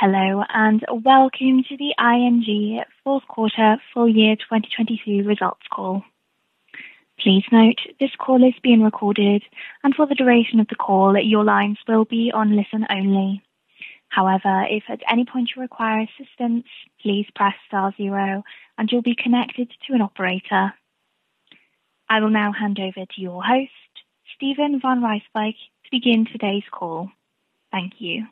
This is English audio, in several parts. Hello, and welcome to the ING Q4 full year 2022 results call. Please note, this call is being recorded, and for the duration of the call, your lines will be on listen only. However, if at any point you require assistance, please press star zero and you'll be connected to an operator. I will now hand over to your host, Steven van Rijswijk, to begin today's call. Thank you.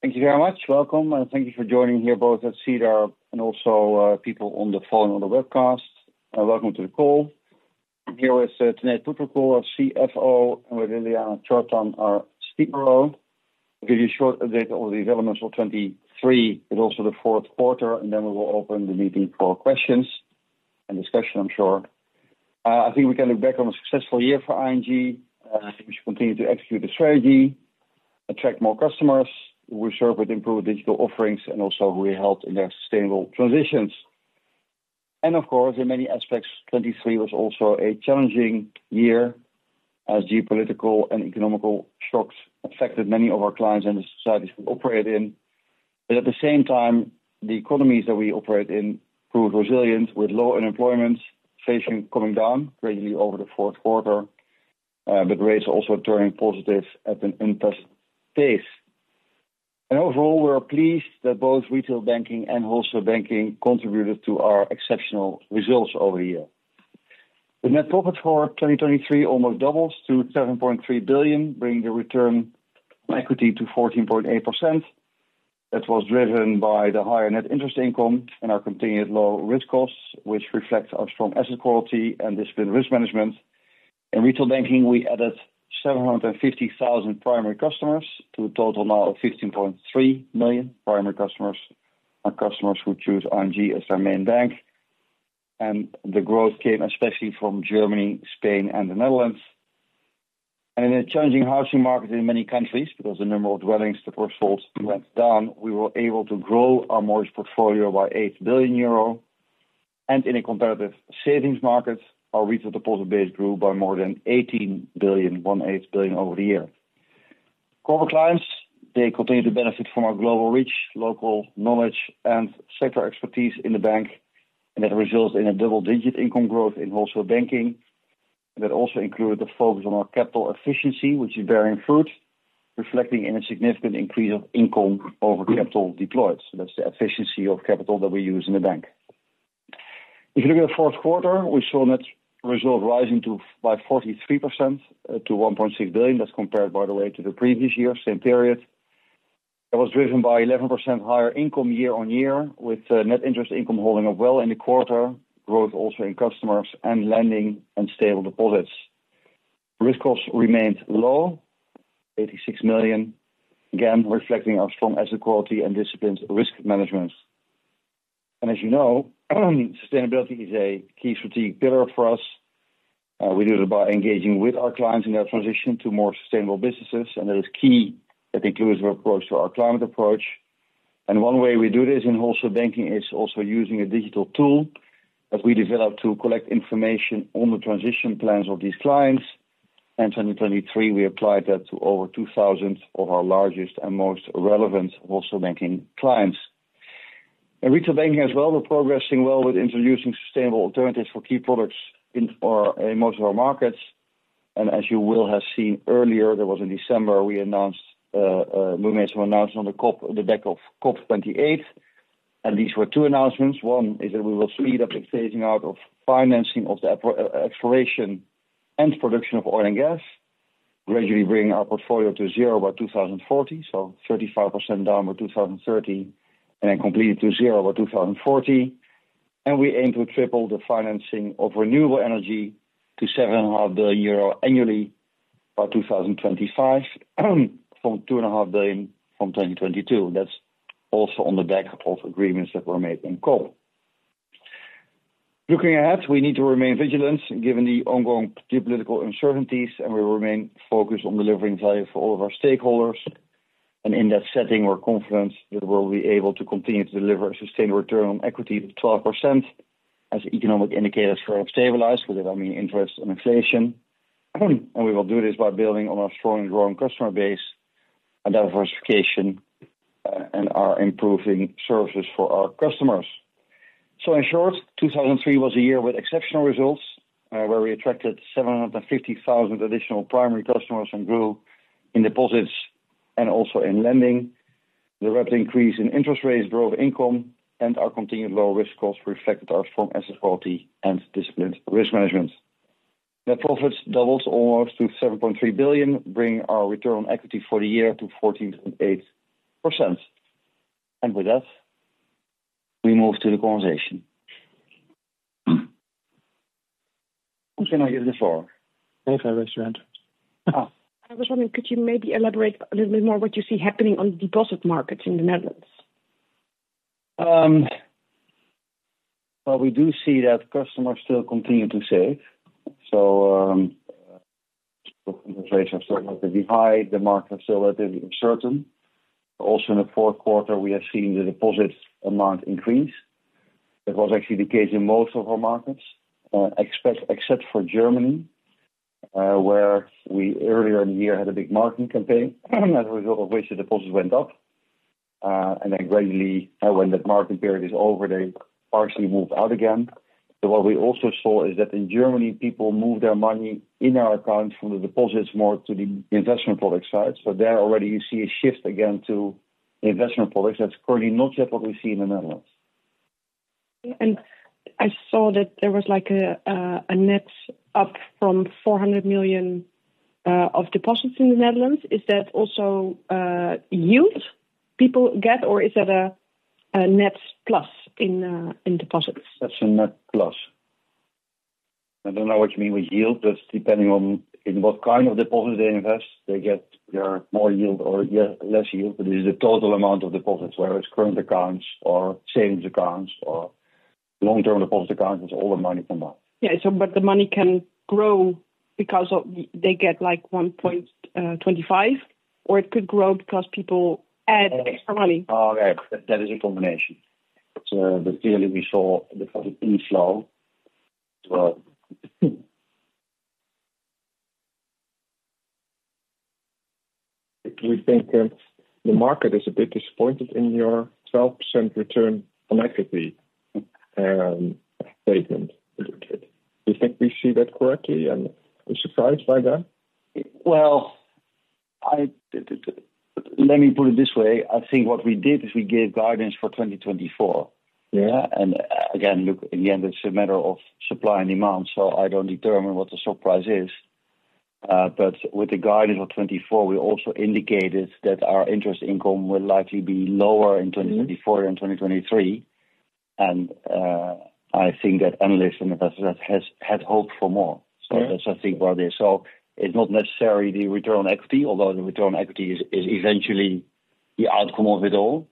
Thank you very much. Welcome, and thank you for joining here, both at Cedar and also, people on the phone on the webcast. Welcome to the call. I'm here with Tanate Phutrakul, our CFO, and with Ljiljana Čortan, our speaker. I'll give you a short update on the developments for 2023, but also the Q4, and then we will open the meeting for questions and discussion, I'm sure. I think we can look back on a successful year for ING. We should continue to execute the strategy, attract more customers. We serve with improved digital offerings, and also we helped in their sustainable transitions. And of course, in many aspects, 2023 was also a challenging year as geopolitical and economic shocks affected many of our clients and the societies we operate in. But at the same time, the economies that we operate in improved resilience with low unemployment, inflation coming down gradually over the Q4, but rates also turning positive at an interest pace. And overall, we are pleased that both retail banking and wholesale banking contributed to our exceptional results over the year. The net profit for 2023 almost doubles to 7.3 billion, bringing the return on equity to 14.8%. That was driven by the higher net interest income and our continued low risk costs, which reflects our strong asset quality and disciplined risk management. In retail banking, we added 750,000 primary customers to a total now of 15.3 million primary customers, our customers who choose ING as their main bank, and the growth came especially from Germany, Spain, and the Netherlands. And in a challenging housing market in many countries, because the number of dwellings to portfolios went down, we were able to grow our mortgage portfolio by 8 billion euro. And in a competitive savings market, our retail deposit base grew by more than 18 billion, 18 billion over the year. Corporate clients, they continue to benefit from our global reach, local knowledge, and sector expertise in the bank, and that results in a double-digit income growth in wholesale banking. That also include the focus on our capital efficiency, which is bearing fruit, reflecting in a significant increase of income over capital deployed. So that's the efficiency of capital that we use in the bank. If you look at the Q4, we saw net results rising to by 43%, to 1.6 billion. That's compared, by the way, to the previous year, same period. That was driven by 11% higher income year-on-year, with net interest income holding up well in the quarter, growth also in customers and lending and stable deposits. Risk costs remained low, 86 million, again, reflecting our strong asset quality and disciplined risk management. And as you know, sustainability is a key strategic pillar for us. We do it by engaging with our clients in their transition to more sustainable businesses, and that is key, that inclusive approach to our climate approach. And one way we do this in wholesale banking is also using a digital tool that we developed to collect information on the transition plans of these clients. And 2023, we applied that to over 2,000 of our largest and most relevant wholesale banking clients. In retail banking as well, we're progressing well with introducing sustainable alternatives for key products in most of our markets. As you will have seen earlier, that was in December, we announced, we made some announcement on the back of COP28, and these were two announcements. One is that we will speed up the phasing out of financing of the exploration and production of oil and gas, gradually bringing our portfolio to zero by 2040, so 35% down by 2030, and then complete it to zero by 2040. We aim to triple the financing of renewable energy to 7.5 billion euro annually by 2025, from 2.5 billion in 2022. That's also on the back of agreements that were made in COP. Looking ahead, we need to remain vigilant, given the ongoing geopolitical uncertainties, and we remain focused on delivering value for all of our stakeholders. In that setting, we're confident that we'll be able to continue to deliver a sustained return on equity of 12% as economic indicators are stabilized with everything, interest and inflation. We will do this by building on our strong growing customer base and diversification and are improving services for our customers. In short, 2003 was a year with exceptional results, where we attracted 750,000 additional primary customers and grew in deposits and also in lending. The rapid increase in interest rates, growth income, and our continued low risk costs reflected our strong asset quality and disciplined risk management. Net profits doubles almost to 7.3 billion, bringing our return on equity for the year to 14.8%. With that, we move to the conversation. Who can I hear this for? Okay, I raised your hand. Oh. I was wondering, could you maybe elaborate a little bit more what you see happening on the deposit markets in the Netherlands? Well, we do see that customers still continue to save. So, the concentration is certainly pretty high, the market is still relatively uncertain. Also, in the Q4, we have seen the deposits amount increase. It was actually the case in most of our markets, except for Germany, where we earlier in the year had a big marketing campaign, as a result of which the deposits went up. And then gradually, when that marketing period is over, they partially moved out again. But what we also saw is that in Germany, people moved their money in our accounts from the deposits more to the investment product side. So there already you see a shift again to the investment products. That's currently not yet what we see in the Netherlands. I saw that there was like a net up from 400 million of deposits in the Netherlands. Is that also yield people get, or is that a net plus in deposits? That's a net plus. I don't know what you mean with yield. That's depending on in what kind of deposit they invest, they get their more yield or less yield, but it's the total amount of deposits, whether it's current accounts or savings accounts or long-term deposit accounts, it's all the money combined. Yeah, so but the money can grow because of they get, like, 1.25, or it could grow because people add extra money. Oh, yeah, that is a combination. So but clearly, we saw the deposit inflow as well. We think that the market is a bit disappointed in your 12% return on equity statement. Do you think we see that correctly, and we're surprised by that? Well, let me put it this way. I think what we did is we gave guidance for 2024. Yeah. And again, look, in the end, it's a matter of supply and demand, so I don't determine what the surprise is. But with the guidance of 2024, we also indicated that our interest income will likely be lower in 2024 than 2023. And, I think that analysts and investors have, had hoped for more. Mm-hmm. So that's, I think, what they saw. It's not necessarily the return on equity, although the return on equity is eventually the outcome of it all.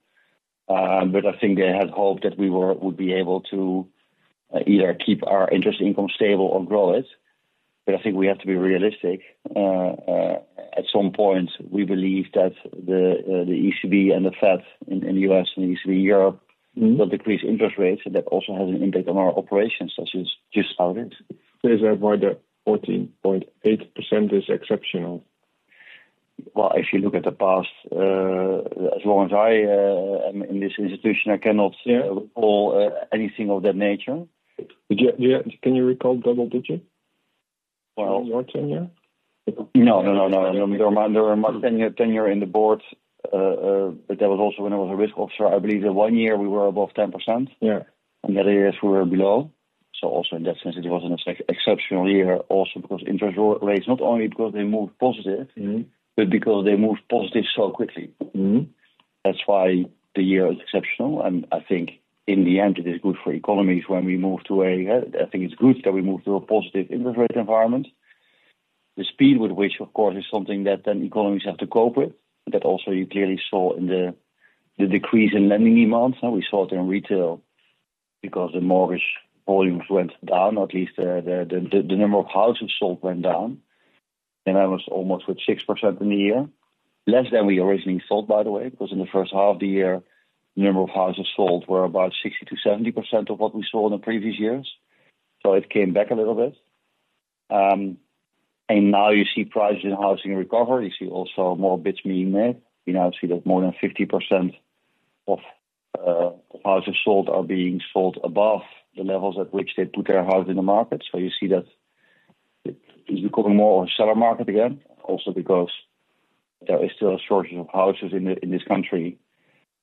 But I think they had hoped that we would be able to either keep our interest income stable or grow it. But I think we have to be realistic. At some point, we believe that the the ECB and the Fed in the U.S. and ECB, Europe- Mm-hmm. will decrease interest rates, and that also has an impact on our operations, such as just about it. Is that why the 14.8% is exceptional? Well, if you look at the past, as long as I am in this institution, I cannot see- Yeah... or anything of that nature. Can you recall double digit? Well- In your tenure? No, no, no, no. During my tenure in the board, but that was also when I was a risk officer. I believe that one year we were above 10%. Yeah. The other years we were below. Also in that sense, it was an exceptional year also because interest rates, not only because they moved positive- Mm-hmm... but because they moved positive so quickly. Mm-hmm. That's why the year is exceptional, and I think in the end, it is good for economies when we move to a, I think it's good that we move to a positive interest rate environment. The speed with which, of course, is something that then economies have to cope with, that also you clearly saw in the decrease in lending demands. Now, we saw it in retail because the mortgage volumes went down, or at least the number of houses sold went down, and that was almost with 6% in the year. Less than we originally sold, by the way, because in the first half of the year, the number of houses sold were about 60%-70% of what we saw in the previous years. So it came back a little bit. And now you see prices in housing recover. You see also more bids being made. We now see that more than 50% of houses sold are being sold above the levels at which they put their house in the market. So you see that it is becoming more of a seller market again, also because there is still a shortage of houses in this country,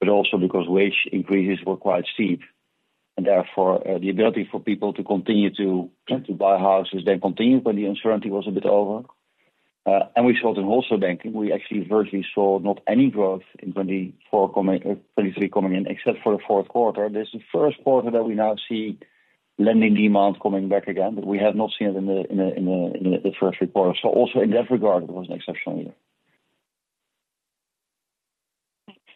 but also because wage increases were quite steep. And therefore, the ability for people to continue to buy houses then continued when the uncertainty was a bit over. And we saw it in wholesale banking. We actually virtually saw not any growth in 2024 coming... 2023 coming in, except for the Q4. This is the Q1 that we now see lending demand coming back again, but we have not seen it in the Q1. So also in that regard, it was an exceptional year.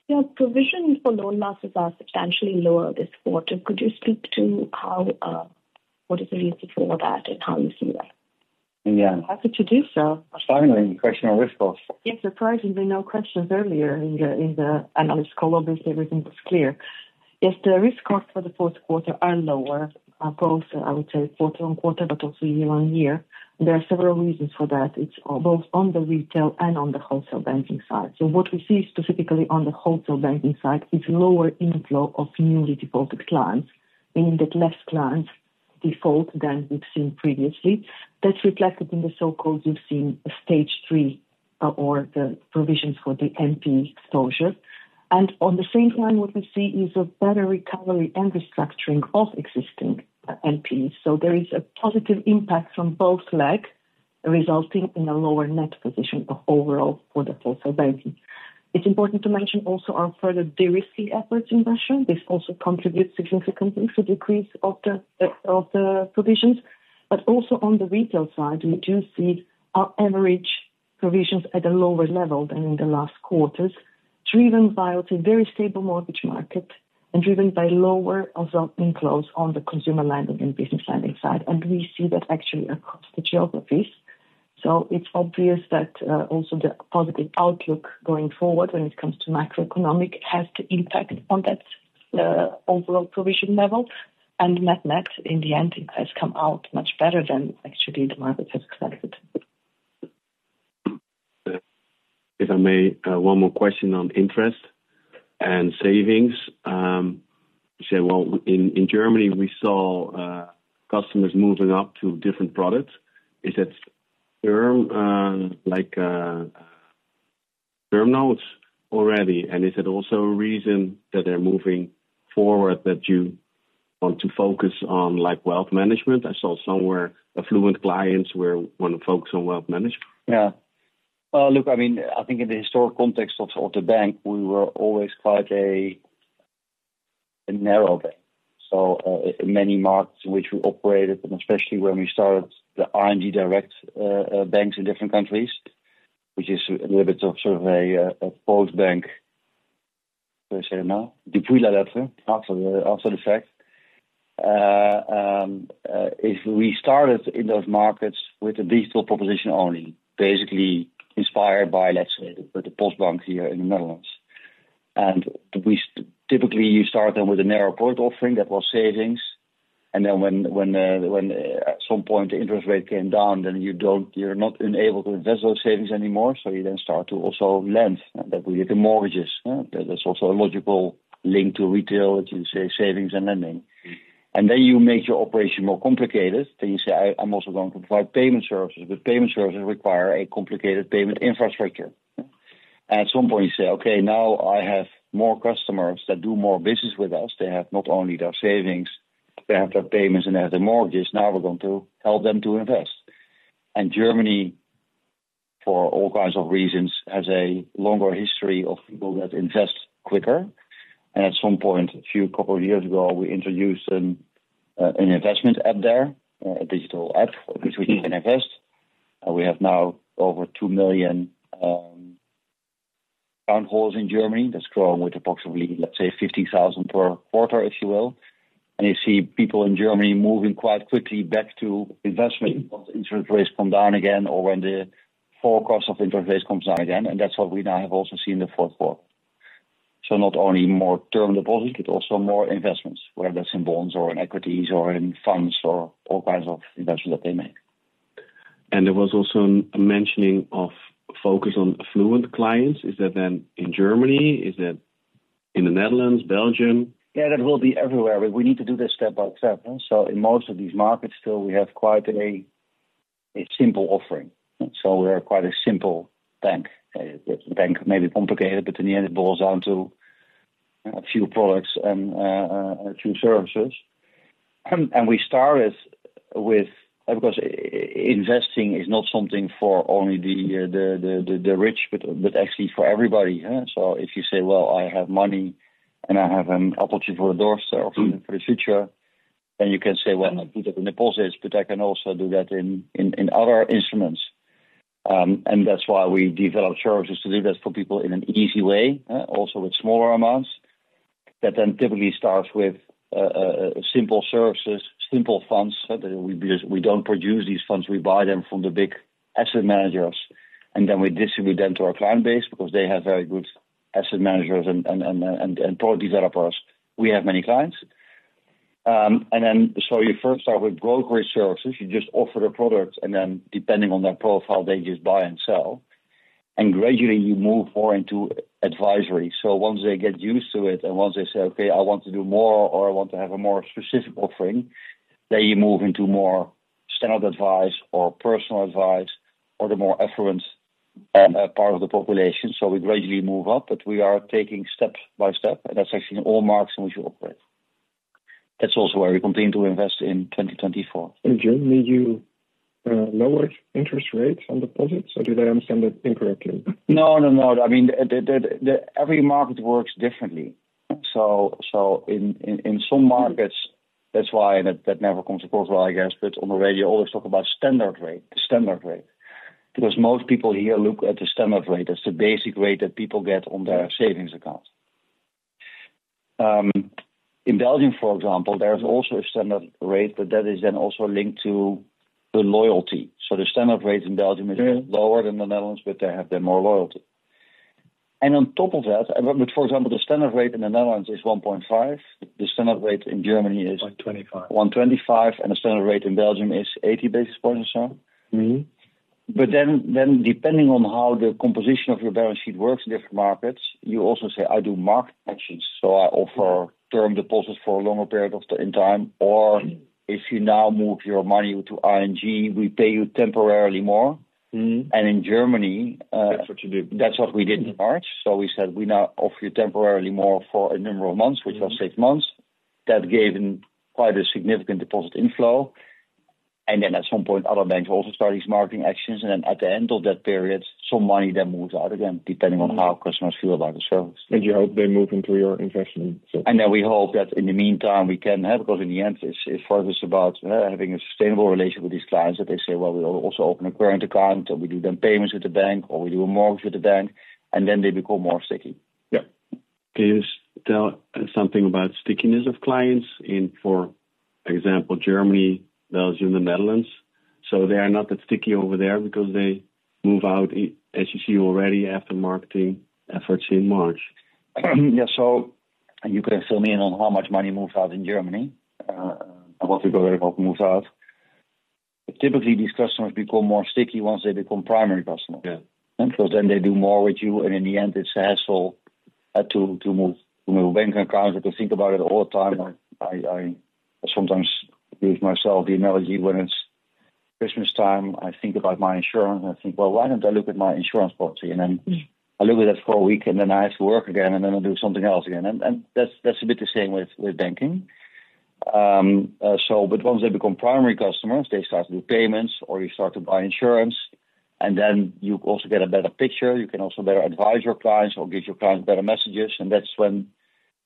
Your provisions for loan losses are substantially lower this quarter. Could you speak to how, what is the reason for that and how you see that? Yeah. Happy to do so. Finally, a question on risk loss. Yeah, surprisingly, no questions earlier in the analysis call. Obviously, everything was clear. Yes, the risk costs for the Q4 are lower, both, I would say, quarter-on-quarter, but also year-on-year. There are several reasons for that. It's both on the retail and on the wholesale banking side. So what we see specifically on the wholesale banking side is lower inflow of newly defaulted clients, meaning that less clients default than we've seen previously. That's reflected in the so-called, you've seen, Stage 3, or the provisions for the NPE exposure. And on the same line, what we see is a better recovery and restructuring of existing NPEs. So there is a positive impact from both legs, resulting in a lower net position overall for the wholesale banking. It's important to mention also our further de-risking efforts in Russia. This also contributes significantly to the decrease of the provisions, but also on the retail side, we do see our average provisions at a lower level than in the last quarters, driven by, I would say, very stable mortgage market and driven by lower also inflows on the consumer lending and business lending side. And we see that actually across the geographies. So it's obvious that also the positive outlook going forward when it comes to macroeconomic has to impact on that overall provision level, and net next, in the end, has come out much better than actually the market has expected. If I may, one more question on interest and savings. Say, well, in Germany, we saw customers moving up to different products. Is it term, like, term notes already? And is it also a reason that they're moving forward, that you want to focus on, like, wealth management? I saw somewhere affluent clients were wanting to focus on wealth management. Yeah. Look, I mean, I think in the historic context of the bank, we were always quite a narrow bank. So, in many markets in which we operated, and especially when we started the ING Direct banks in different countries, which is a little bit of sort of a Postbank. How do you say it now? After the fact. If we started in those markets with a digital proposition only, basically inspired by, let's say, the Postbank here in the Netherlands. And we typically start them with a narrow product offering that was savings, and then when at some point the interest rate came down, then you don't-- you're not enabled to invest those savings anymore, so you then start to also lend, that we get the mortgages. That's also a logical link to retail, as you say, savings and lending. And then, you make your operation more complicated, then you say, "I, I'm also going to provide payment services," but payment services require a complicated payment infrastructure. At some point, you say, "Okay, now I have more customers that do more business with us. They have not only their savings, they have their payments and they have their mortgages. Now, we're going to help them to invest." And Germany, for all kinds of reasons, has a longer history of people that invest quicker. And at some point, a few couple of years ago, we introduced an investment app there, a digital app, which we can invest. And we have now over 2 million account holds in Germany. That's growing with approximately, let's say, 50,000 per quarter, if you will. You see people in Germany moving quite quickly back to investment. Interest rates come down again or when the forecast of interest rates comes down again, and that's what we now have also seen in the Q4. Not only more term deposits, but also more investments, whether that's in bonds or in equities or in funds or all kinds of investments that they make. There was also a mentioning of focus on affluent clients. Is that then in Germany? Is that in the Netherlands, Belgium? Yeah, that will be everywhere, but we need to do this step by step. So in most of these markets, still, we have quite a simple offering. So we are quite a simple bank. A bank may be complicated, but in the end, it boils down to a few products and two services. And we started with... Because investing is not something for only the rich, but actually for everybody, yeah. So if you say, "Well, I have money, and I have an opportunity for a door for the future," then you can say, "Well, I put it in the deposits, but I can also do that in other instruments." And that's why we develop services to do that for people in an easy way, also with smaller amounts. That then typically starts with simple services, simple funds. We just, we don't produce these funds, we buy them from the big asset managers, and then we distribute them to our client base because they have very good asset managers and product developers. We have many clients. And then, so you first start with grocery services. You just offer a product, and then, depending on their profile, they just buy and sell, and gradually you move more into advisory. So once they get used to it, and once they say, "Okay, I want to do more, or I want to have a more specific offering," then you move into more standard advice or personal advice or the more affluent part of the population. We gradually move up, but we are taking step by step, and that's actually in all markets in which we operate. That's also where we continue to invest in 2024. In Germany, you, lower interest rates on deposits, or did I understand that incorrectly? No, no, no. I mean, every market works differently. So in some markets, that's why that never comes across well, I guess. But on the radio, you always talk about standard rate, the standard rate, because most people here look at the standard rate as the basic rate that people get on their savings account. In Belgium, for example, there's also a standard rate, but that is then also linked to the loyalty. So the standard rate in Belgium is lower than the Netherlands, but they have the more loyalty. And on top of that, but for example, the standard rate in the Netherlands is 1.5. The standard rate in Germany is- One twenty-five. 125, and the standard rate in Belgium is 80 basis points. Mm-hmm. But then, depending on how the composition of your balance sheet works in different markets, you also say, I do market actions, so I offer term deposits for a longer period of time, or if you now move your money to ING, we pay you temporarily more. Mm-hmm. In Germany, That's what you did. That's what we did in March. We said, we now offer you temporarily more for a number of months, which was six months. That gave them quite a significant deposit inflow. Then at some point, other banks also start these marketing actions, and then at the end of that period, some money then moves out again, depending on how customers feel about the service. You hope they move into your investment. Then we hope that in the meantime, we can have, because in the end, it's, it's further about having a sustainable relationship with these clients, that they say, "Well, we'll also open a current account, and we do them payments with the bank, or we do a mortgage with the bank," and then they become more sticky. Yeah. Can you tell something about stickiness of clients in, for example, Germany, Belgium, and the Netherlands? So they are not that sticky over there because they move out, as you see already, after marketing efforts in March. Yeah, so you can fill me in on how much money moved out in Germany, and what we got, what moved out. But typically, these customers become more sticky once they become primary customers. Yeah. And so then they do more with you, and in the end, it's hassle to move bank accounts. You can think about it all the time. I sometimes give myself the analogy when it's Christmas time. I think about my insurance, and I think, well, why don't I look at my insurance policy? And then I look at it for a week, and then I have to work again, and then I do something else again. And that's a bit the same with banking. So but once they become primary customers, they start to do payments, or you start to buy insurance, and then you also get a better picture. You can also better advise your clients or give your clients better messages, and that's when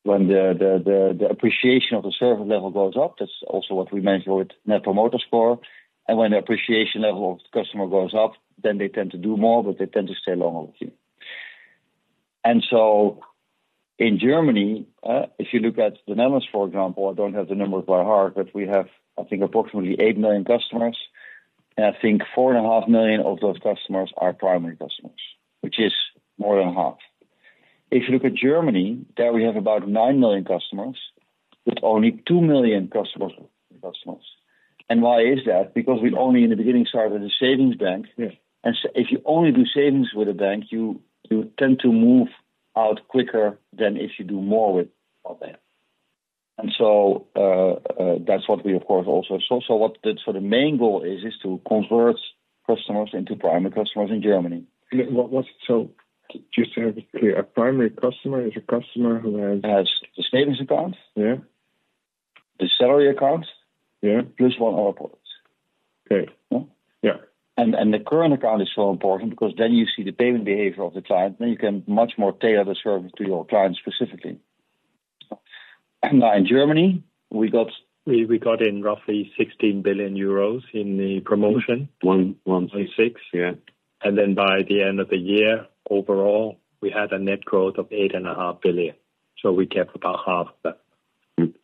the appreciation of the service level goes up. That's also what we measure with Net Promoter Score. And when the appreciation level of the customer goes up, then they tend to do more, but they tend to stay longer with you. And so in Germany, if you look at the Netherlands for example, I don't have the numbers by heart, but we have, I think, approximately 8 million customers, and I think 4.5 million of those customers are primary customers, which is more than half. If you look at Germany, there we have about 9 million customers, with only 2 million customers, customers. And why is that? Because we only in the beginning started a savings bank. Yes. And so if you only do savings with a bank, you tend to move out quicker than if you do more with a bank. And so, that's what we, of course, also... So the main goal is to convert customers into primary customers in Germany. Just to have it clear, a primary customer is a customer who has? Has the savings account. Yeah. The salary account- Yeah. Plus one other product. Okay. Yeah. Yeah. The current account is so important because then you see the payment behavior of the client, then you can much more tailor the service to your client specifically. In Germany, we got- We got in roughly 16 billion euros in the promotion. One, one- Twenty-six. Yeah. By the end of the year, overall, we had a net growth of 8.5 billion. We kept about half of that. Mm-hmm.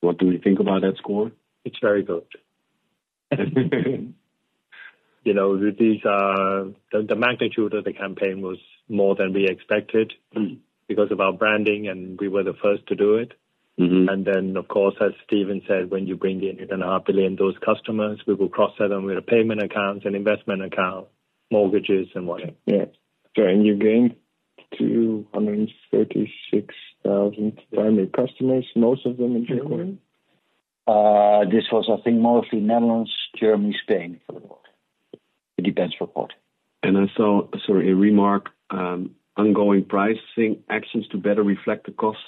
What do we think about that score? It's very good. You know, these are... The magnitude of the campaign was more than we expected- Mm. Because of our branding, and we were the first to do it. Mm-hmm. And then, of course, as Steven said, when you bring in 8.5 billion those customers, we will cross-sell them with a payment account, an investment account, mortgages, and what. Yeah. So, and you gained 236,000 primary customers, most of them in Germany? This was, I think, mostly Netherlands, Germany, Spain, for the most. It depends for part. I saw, sorry, a remark, ongoing pricing actions to better reflect the costs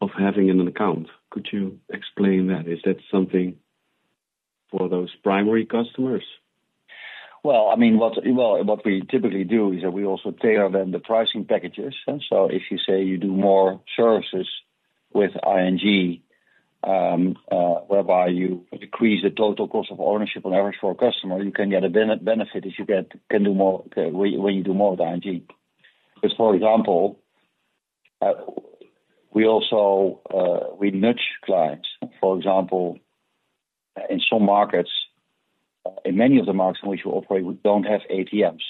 of having an account. Could you explain that? Is that something for those primary customers? Well, I mean, what we typically do is that we also tailor them the pricing packages. And so if you say you do more services with ING, whereby you decrease the total cost of ownership on average for a customer, you can get a benefit as you can do more, when you do more with ING. Because, for example, we also nudge clients. For example, in some markets, in many of the markets in which we operate, we don't have ATMs.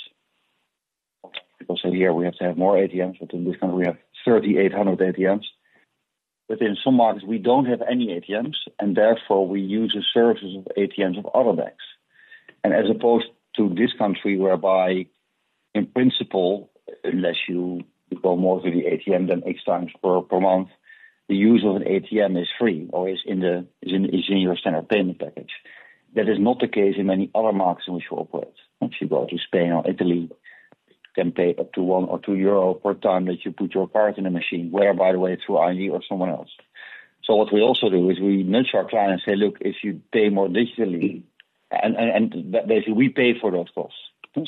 People say, "Here, we have to have more ATMs," but in this country, we have 3,800 ATMs. But in some markets, we don't have any ATMs, and therefore, we use the services of ATMs of other banks. As opposed to this country, whereby in principle, unless you go more to the ATM than eight times per month, the use of an ATM is free or is in your standard payment package. That is not the case in many other markets in which we operate. Once you go to Spain or Italy, you can pay up to 1 or 2 euro per time that you put your card in a machine, where, by the way, through ING or someone else. So what we also do is we nudge our client and say, "Look, if you pay more digitally," and basically, we pay for those costs.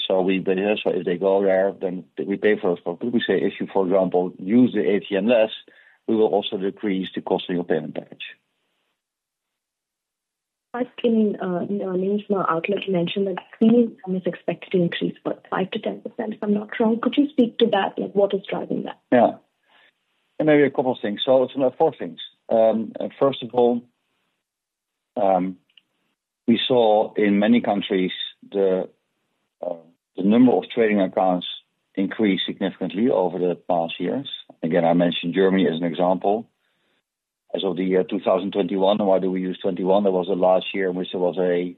So, but if they go there, then we pay for those costs. We say, "If you, for example, use the ATM less, we will also decrease the cost of your payment package. I mean, in our outlook, you mentioned that fee income is expected to increase by 5%-10%, if I'm not wrong. Could you speak to that? Like, what is driving that? Yeah. And maybe a couple of things. So it's four things. First of all, we saw in many countries the number of trading accounts increased significantly over the past years. Again, I mentioned Germany as an example. As of the year 2021, and why do we use 2021? That was the last year in which there was a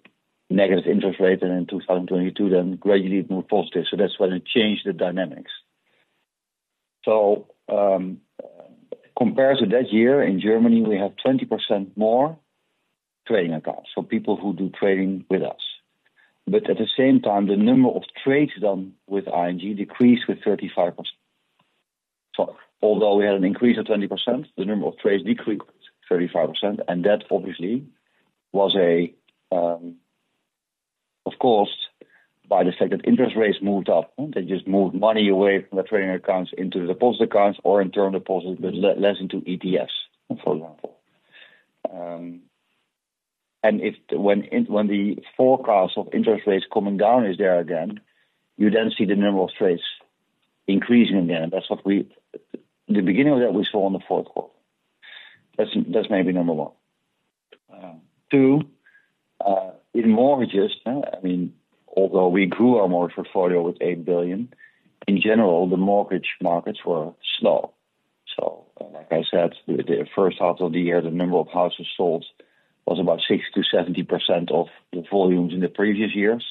negative interest rate, and in 2022, then gradually it moved positive. So that's when it changed the dynamics. So, compared to that year, in Germany, we have 20% more trading accounts, so people who do trading with us. But at the same time, the number of trades done with ING decreased with 35%. So although we had an increase of 20%, the number of trades decreased 35%, and that obviously was a, of course, by the fact that interest rates moved up, they just moved money away from the trading accounts into the deposit accounts or in term deposits, but less into ETFs, for example. And if when, when the forecast of interest rates coming down is there again, you then see the number of trades increasing again. That's what we the beginning of that we saw in the Q4. That's, that's maybe number one. Two, in mortgages, I mean, although we grew our mortgage portfolio with 8 billion, in general, the mortgage markets were slow. So like I said, the first half of the year, the number of houses sold was about 60%-70% of the volumes in the previous years.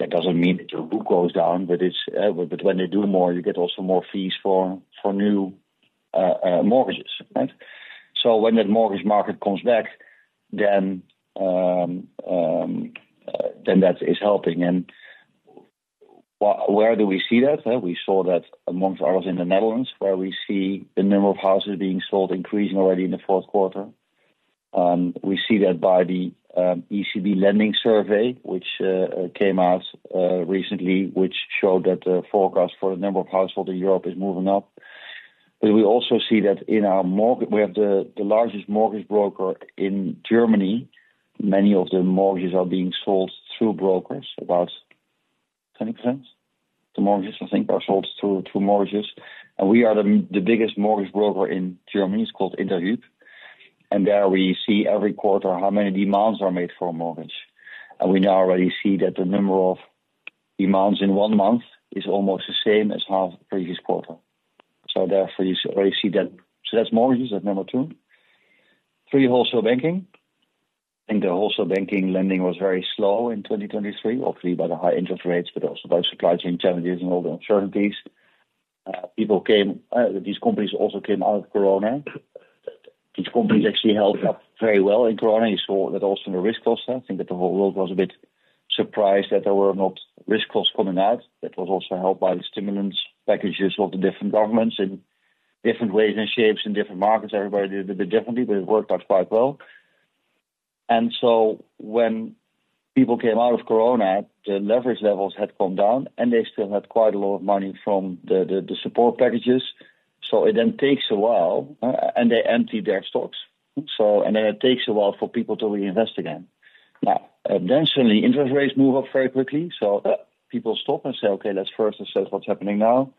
That doesn't mean that the book goes down, but it's but when they do more, you get also more fees for new mortgages, right? So when that mortgage market comes back, then then that is helping. Where do we see that? We saw that amongst others in the Netherlands, where we see the number of houses being sold increasing already in the Q4. We see that by the ECB lending survey, which came out recently, which showed that the forecast for the number of households in Europe is moving up. But we also see that in our mortgage, we have the largest mortgage broker in Germany. Many of the mortgages are being sold through brokers, about 20%? The mortgages, I think, are sold through mortgages. And we are the biggest mortgage broker in Germany, it's called Interhyp. And there we see every quarter how many demands are made for a mortgage. And we now already see that the number of demands in one month is almost the same as half the previous quarter. So therefore, you already see that. So that's mortgages, that's number 2. 3, wholesale banking. I think the wholesale banking lending was very slow in 2023, obviously, by the high interest rates, but also by supply chain challenges and all the uncertainties. People came, these companies also came out of Corona. These companies actually held up very well in Corona. You saw that also in the risk costs. I think that the whole world was a bit surprised that there were not risk costs coming out. That was also helped by the stimulus packages of the different governments in different ways and shapes, in different markets. Everybody did it a bit differently, but it worked out quite well. And so when people came out of Corona, the leverage levels had come down, and they still had quite a lot of money from the support packages. So it then takes a while, and they emptied their stocks. So, and then it takes a while for people to reinvest again. Now, then suddenly, interest rates move up very quickly, so people stop and say, "Okay, let's first assess what's happening now."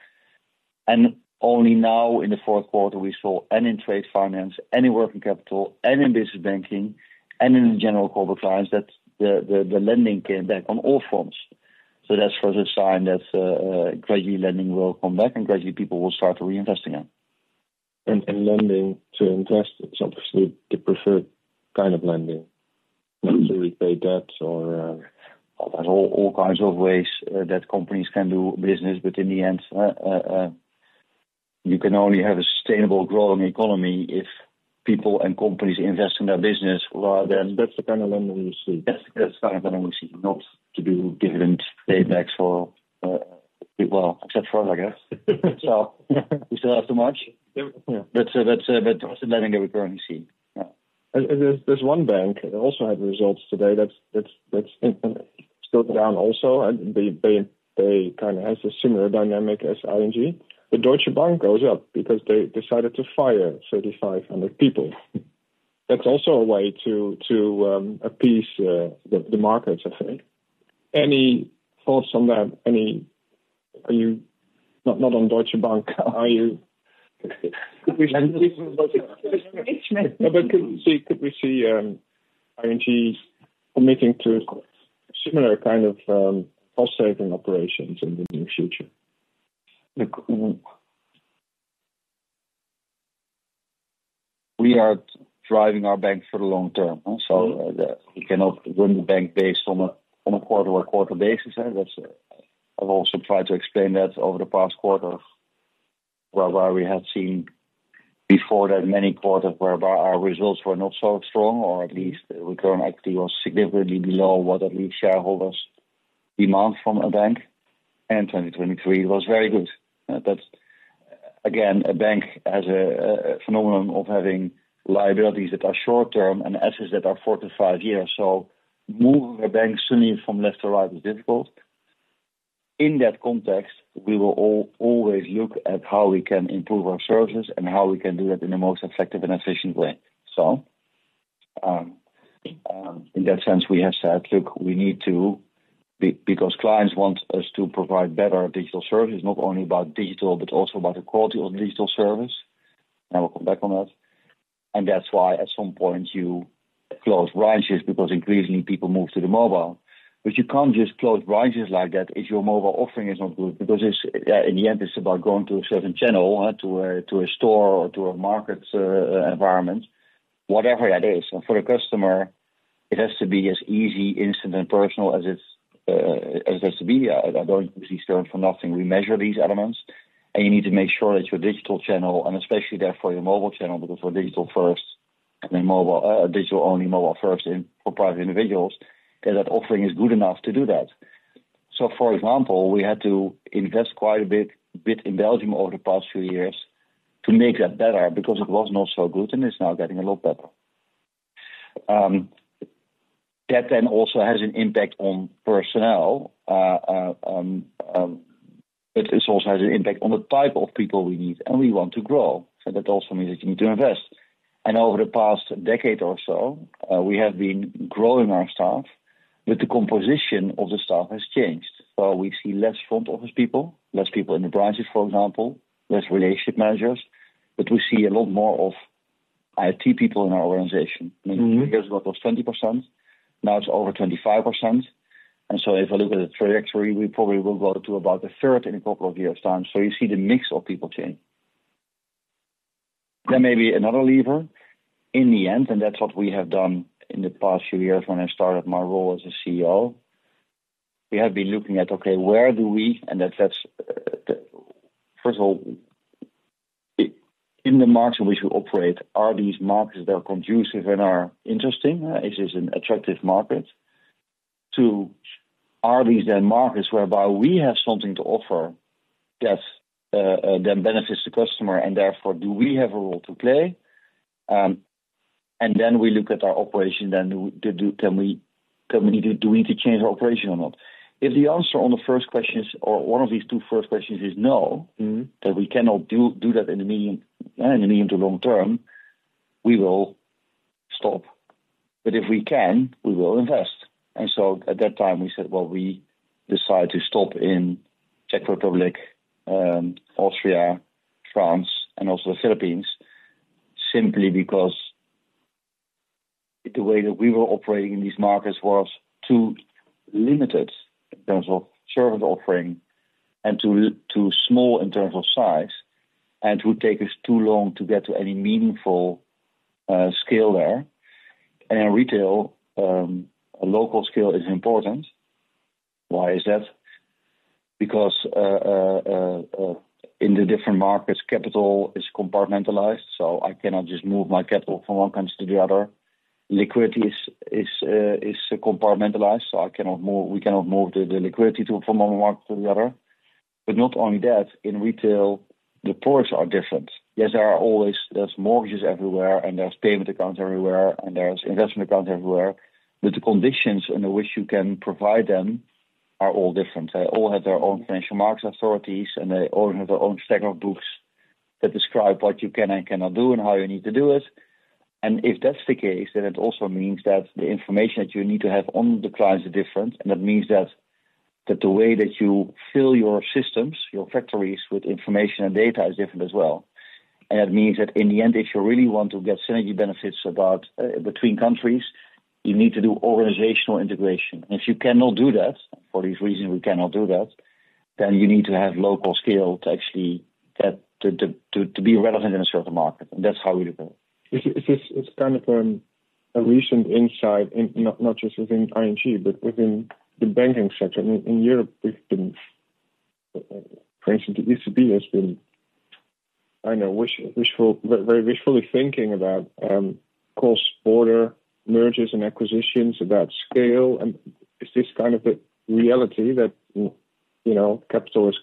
And only now, in the Q4, we saw in trade finance, and in working capital, and in business banking, and in the general corporate clients, that the lending came back on all fronts. So that's for the sign that gradually lending will come back, and gradually people will start to reinvest again. Lending to invest is obviously the preferred kind of lending. Mm-hmm. To repay debts or all kinds of ways that companies can do business, but in the end, you can only have a sustainable growing economy if people and companies invest in their business. Well, then that's the kind of lending we see. That's the kind of lending we see. Not to do different paybacks for, well, except for, I guess. So we still have so much. Yeah. That's, but that's the lending that we're currently seeing. Yeah. And there's one bank that also had results today, that's still down also, and they kinda have a similar dynamic as ING. Deutsche Bank goes up because they decided to fire 3,500 people. That's also a way to appease the markets, I think. Any thoughts on that? Any... Are you not on Deutsche Bank, are you? But could we see ING committing to a similar kind of cost-saving operations in the near future? Like, we are driving our bank for the long term, so we cannot run the bank based on a, on a quarter or quarter basis. That's, I've also tried to explain that over the past quarters, where we have seen before that many quarters whereby our results were not so strong, or at least return activity was significantly below what at least shareholders demand from a bank, and 2023 was very good. That's, again, a bank has a phenomenon of having liabilities that are short term and assets that are four to five years. So moving a bank suddenly from left to right is difficult. In that context, we will always look at how we can improve our services and how we can do that in the most effective and efficient way. So, in that sense, we have said, "Look, we need to because clients want us to provide better digital services, not only about digital, but also about the quality of digital service," and we'll come back on that. And that's why at some point, you close branches, because increasingly people move to the mobile. But you can't just close branches like that if your mobile offering is not good, because it's in the end, it's about going to a certain channel to a store or to a market environment, whatever that is. And for the customer, it has to be as easy, instant, and personal as it's as it has to be. I don't use these terms for nothing. We measure these elements, and you need to make sure that your digital channel, and especially therefore, your mobile channel, because we're digital first, and then mobile, digital only, mobile first for private individuals, that that offering is good enough to do that. So, for example, we had to invest quite a bit in Belgium over the past few years to make that better because it was not so good, and it's now getting a lot better. That then also has an impact on personnel, but this also has an impact on the type of people we need, and we want to grow. So that also means that you need to invest. And over the past decade or so, we have been growing our staff, but the composition of the staff has changed. So we see less front office people, less people in the branches, for example, less relationship managers, but we see a lot more of IT people in our organization. Mm-hmm. A few years ago, it was 20%, now it's over 25%. And so if I look at the trajectory, we probably will go to about a third in a couple of years' time. So you see the mix of people change. There may be another lever in the end, and that's what we have done in the past few years when I started my role as a CEO. We have been looking at, okay, And that's first of all, in the markets in which we operate, are these markets that are conducive and are interesting? Is this an attractive market? Two, are these then markets whereby we have something to offer that then benefits the customer, and therefore, do we have a role to play? And then we look at our operation, then, do we need to change our operation or not? If the answer on the first question is, or one of these two first questions is no- Mm-hmm. Then we cannot do that in the medium to long term, we will stop. But if we can, we will invest. And so at that time, we said, well, we decide to stop in Czech Republic, Austria, France, and also the Philippines, simply because the way that we were operating in these markets was too limited in terms of service offering and too small in terms of size, and it would take us too long to get to any meaningful scale there. And in retail, a local scale is important. Why is that? Because in the different markets, capital is compartmentalized, so I cannot just move my capital from one country to the other. Liquidity is compartmentalized, so we cannot move the liquidity from one market to the other. But not only that, in retail, the ports are different. Yes, there are always, there's mortgages everywhere, and there's payment accounts everywhere, and there's investment accounts everywhere, but the conditions under which you can provide them are all different. They all have their own financial market authorities, and they all have their own set of books that describe what you can and cannot do and how you need to do it. And if that's the case, then it also means that the information that you need to have on the clients are different, and that means that the way that you fill your systems, your factories, with information and data is different as well. And that means that in the end, if you really want to get synergy benefits about between countries, you need to do organizational integration. If you cannot do that, for these reasons, we cannot do that, then you need to have local scale to actually get to be relevant in a certain market. That's how we look at it. It's kind of a recent insight, in not just within ING, but within the banking sector. In Europe, we've been, for instance, the ECB has been, I know, wishful, very wishfully thinking about cross-border mergers and acquisitions, about scale, and is this kind of a reality that, you know, capital is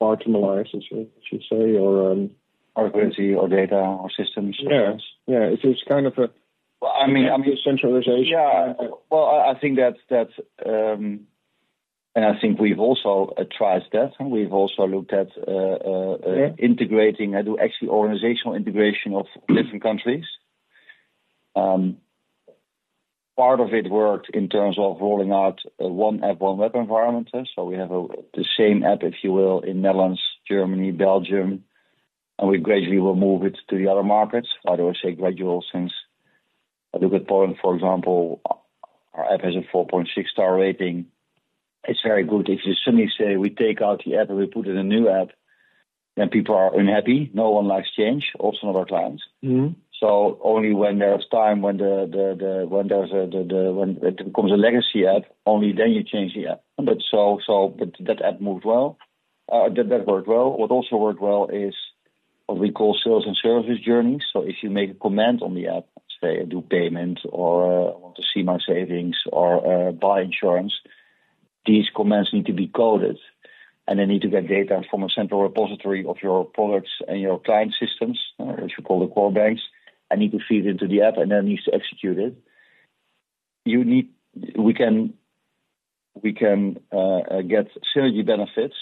marginalized, I should say, or- Or currency or data or systems? Yes. Yeah, it is kind of a- I mean, I mean- Centralization. Yeah. Well, I think that's. I think we've also tried that, and we've also looked at. Yeah... integrating, and do actually organizational integration of different countries. Part of it worked in terms of rolling out a one app, one web environment. So we have a, the same app, if you will, in Netherlands, Germany, Belgium, and we gradually will move it to the other markets. I would say gradual since, at a good point, for example, our app has a 4.6 star rating. It's very good. If you suddenly say, we take out the app and we put in a new app, then people are unhappy. No one likes change, also not our clients. Mm-hmm. So only when there's time, when it becomes a legacy app, only then you change the app. But that app moved well. That worked well. What also worked well is what we call sales and services journeys. So if you make a comment on the app, say, I do payment or, I want to see my savings or, buy insurance, these comments need to be coded, and they need to get data from a central repository of your products and your client systems, as you call the core banks, and need to feed into the app, and then needs to execute it. You need... We can get synergy benefits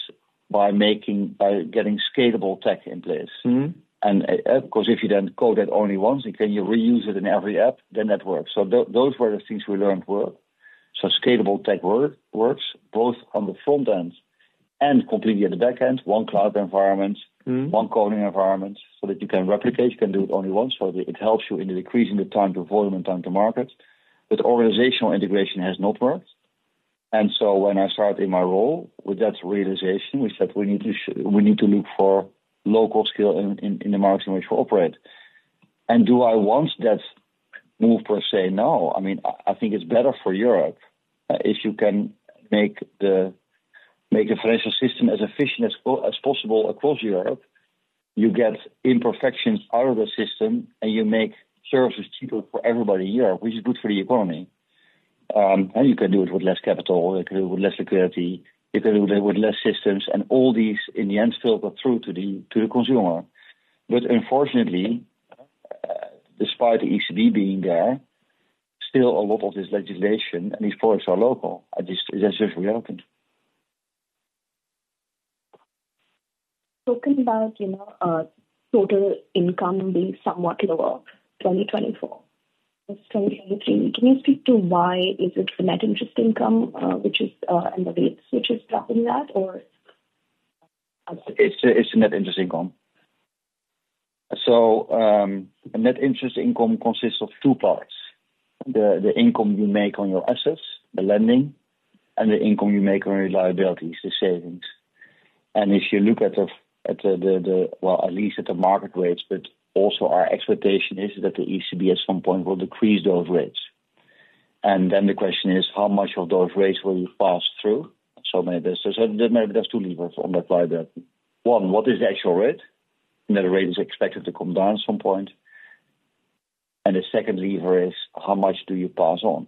by getting scalable tech in place. Mm-hmm. Because if you then code it only once, and can you reuse it in every app, then that works. So those were the things we learned work. So scalable tech work, works both on the front end and completely at the back end, one cloud environment- Mm-hmm. One coding environment, so that you can replicate, you can do it only once. So it helps you in decreasing the time to volume and time to market. But organizational integration has not worked. And so when I started in my role with that realization, we said, we need to look for local skill in the markets in which we operate. And do I want that move per se? No. I mean, I think it's better for Europe, if you can make the financial system as efficient as possible across Europe, you get imperfections out of the system, and you make services cheaper for everybody in Europe, which is good for the economy. And you can do it with less capital, you can do it with less liquidity, you can do it with less systems, and all these in the end still go through to the, to the consumer. But unfortunately, despite the ECB being there, still a lot of this legislation and these products are local, and this is essentially reopened. Talking about, you know, total income being somewhat lower, 2024, than 2023. Can you speak to why? Is it the net interest income, which is, and the rates which is driving that, or? It's the net interest income. So, a net interest income consists of two parts: the income you make on your assets, the lending, and the income you make on your liabilities, the savings. And if you look at the market rates, but also our expectation is that the ECB at some point will decrease those rates. And then the question is, how much of those rates will you pass through? So maybe there's two levers on that side there. One, what is the actual rate? And that the rate is expected to come down at some point. And the second lever is, how much do you pass on?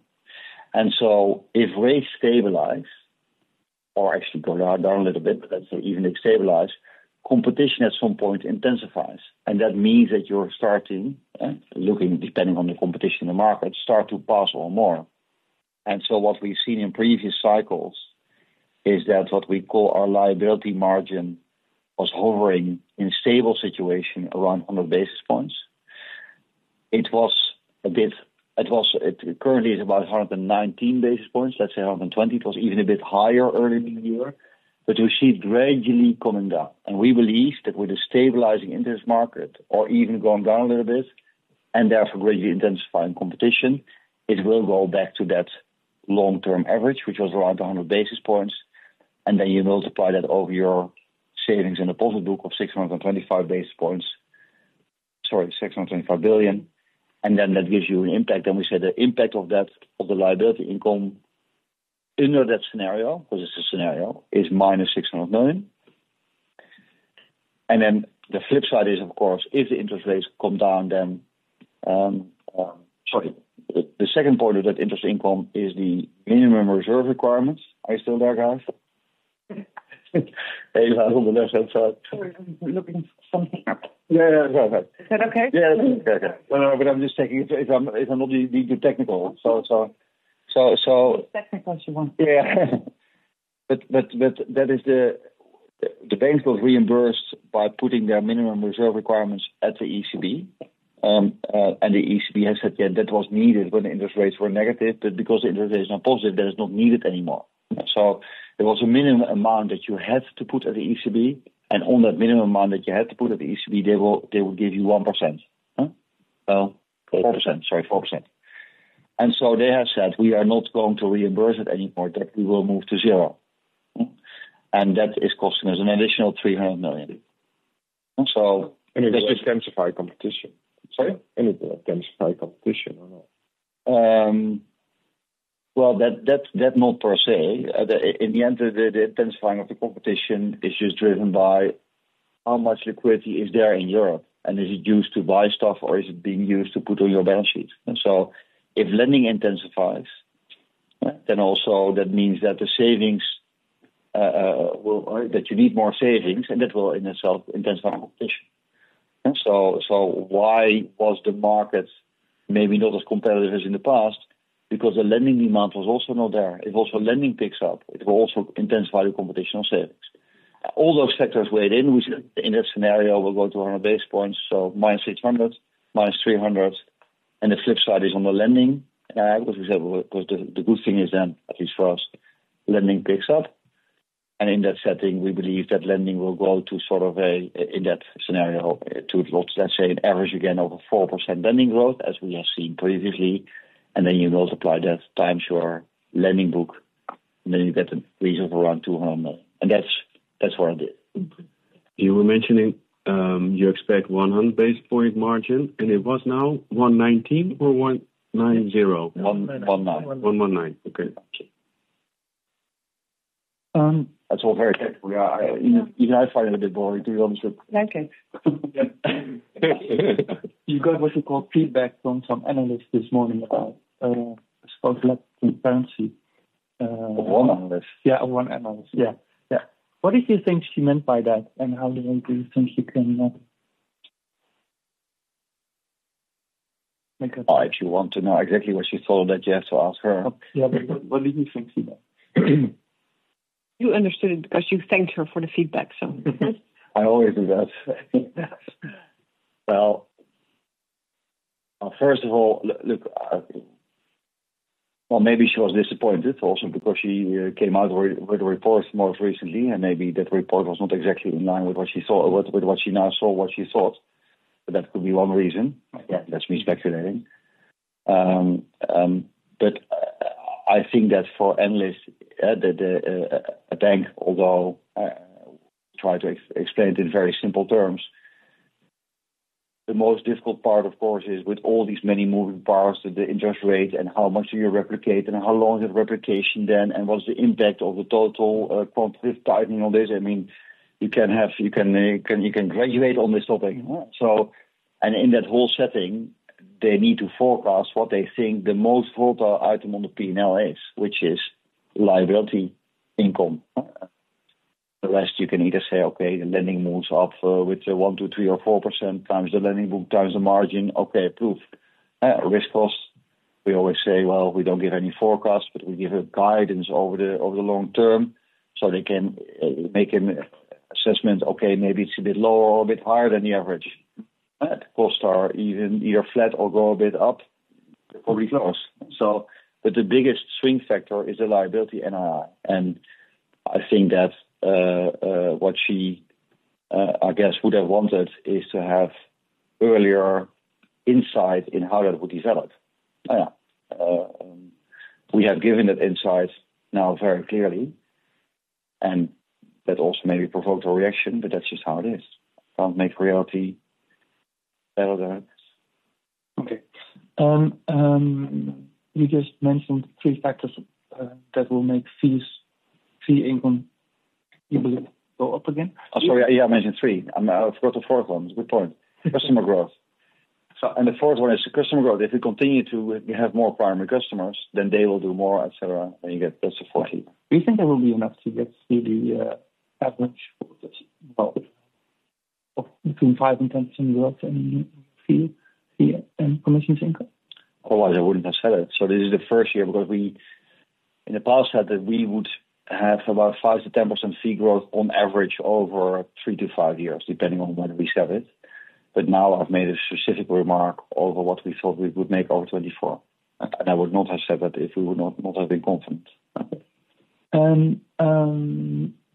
And so if rates stabilize or actually go down a little bit, but let's say even if stabilize, competition at some point intensifies. That means that you're starting, looking, depending on the competition in the market, start to pass on more. So what we've seen in previous cycles is that what we call our liability margin was hovering in a stable situation around 100 basis points. It was a bit... It was, it currently is about 119 basis points, let's say 120. It was even a bit higher earlier in the year, but we see it gradually coming down. We believe that with the stabilizing in this market or even going down a little bit, and therefore greatly intensifying competition, it will go back to that long-term average, which was around 100 basis points. And then you multiply that over your savings in the positive book of 625 basis points, sorry, 625 billion, and then that gives you an impact. Then we say the impact of that, of the liability income, under that scenario, because it's a scenario, is -600 million. And then the flip side is, of course, if the interest rates come down, then. Sorry. The second part of that interest income is the minimum reserve requirements. Are you still there, guys? We're looking for something. Yeah, yeah. Go ahead. Is that okay? Yeah, okay. No, but I'm just checking if I'm not being too technical. So- Technical as you want. Yeah. But, but, but that is, the banks were reimbursed by putting their minimum reserve requirements at the ECB, and the ECB has said that was needed when the interest rates were negative, but because the interest is now positive, that is not needed anymore. So there was a minimum amount that you had to put at the ECB, and on that minimum amount that you had to put at the ECB, they will give you 1%. Huh? Well, 4%. Sorry, 4%. And so they have said, we are not going to reimburse it anymore, that we will move to zero. Hmm. And that is costing us an additional 300 million. And so- It will intensify competition. Sorry? It will intensify competition or not? Well, that not per se. In the end, the intensifying of the competition is just driven by how much liquidity is there in Europe, and is it used to buy stuff or is it being used to put on your balance sheet? And so if lending intensifies, then also that means that the savings will. That you need more savings, and that will in itself intensify competition. And so why was the market maybe not as competitive as in the past? Because the lending demand was also not there. If also lending picks up, it will also intensify the competition on savings. All those factors weighed in, which in that scenario, will go to our basis points, so -600, -300, and the flip side is on the lending. Because the good thing is then, at least for us, lending picks up. In that setting, we believe that lending will go to sort of a, in that scenario, to let's say, an average again, over 4% lending growth, as we have seen previously, and then you multiply that times your lending book, and then you get a reason for around 200 million. That's what I did. You were mentioning, you expect 100 basis point margin, and it was now 119 or 190? One nine. 19. Okay. That's all very technical. Yeah, I find it a bit boring, to be honest with you. Thank you. You got what you call feedback from some analysts this morning about supposed lack of transparency. One analyst. Yeah, one analyst. Yeah. Yeah. What did you think she meant by that, and how did you think you can... If you want to know exactly what she thought, that you have to ask her. Okay. Yeah, but what did you think she meant? You understood it because you thanked her for the feedback, so. I always do that. Well, first of all, look, well, maybe she was disappointed also because she came out with a report most recently, and maybe that report was not exactly in line with what she saw, with what she now saw, what she thought. But that could be one reason. Yeah, that's me speculating. But I think that for analysts, the, the, a bank, although, try to explain it in very simple terms, the most difficult part, of course, is with all these many moving parts, with the interest rate and how much do you replicate and how long is it replication then, and what's the impact of the total, quantitative tightening on this? I mean, you can have, you can, you can, you can graduate on this topic. In that whole setting, they need to forecast what they think the most volatile item on the P&L is, which is liability income. The rest you can either say, okay, the lending moves up with 1-3 or 4% times the lending book, times the margin, okay, approved. Risk costs, we always say, well, we don't give any forecast, but we give a guidance over the long term, so they can make an assessment. Okay, maybe it's a bit lower or a bit higher than the average. But costs are even either flat or go a bit up, probably close. But the biggest swing factor is the liability NII. And I think that what she, I guess, would have wanted is to have earlier insight in how that would develop. We have given that insight now very clearly, and that also maybe provoked a reaction, but that's just how it is. Can't make reality better than it is. Okay. You just mentioned three factors that will make fees, fee income even go up again? Sorry, yeah, I mentioned three. I forgot the fourth one. Good point. Customer growth. So and the fourth one is the customer growth. If we continue to, we have more primary customers, then they will do more, et cetera, then you get plus the 40. Do you think there will be enough to get to the average? Well, between 5% and 10% growth in fee and commissions income? Otherwise, I wouldn't have said it. So this is the first year, because we in the past said that we would have about 5%-10% fee growth on average over 3-5 years, depending on when we said it. But now I've made a specific remark over what we thought we would make over 2024, and I would not have said that if we would not have been confident. Okay.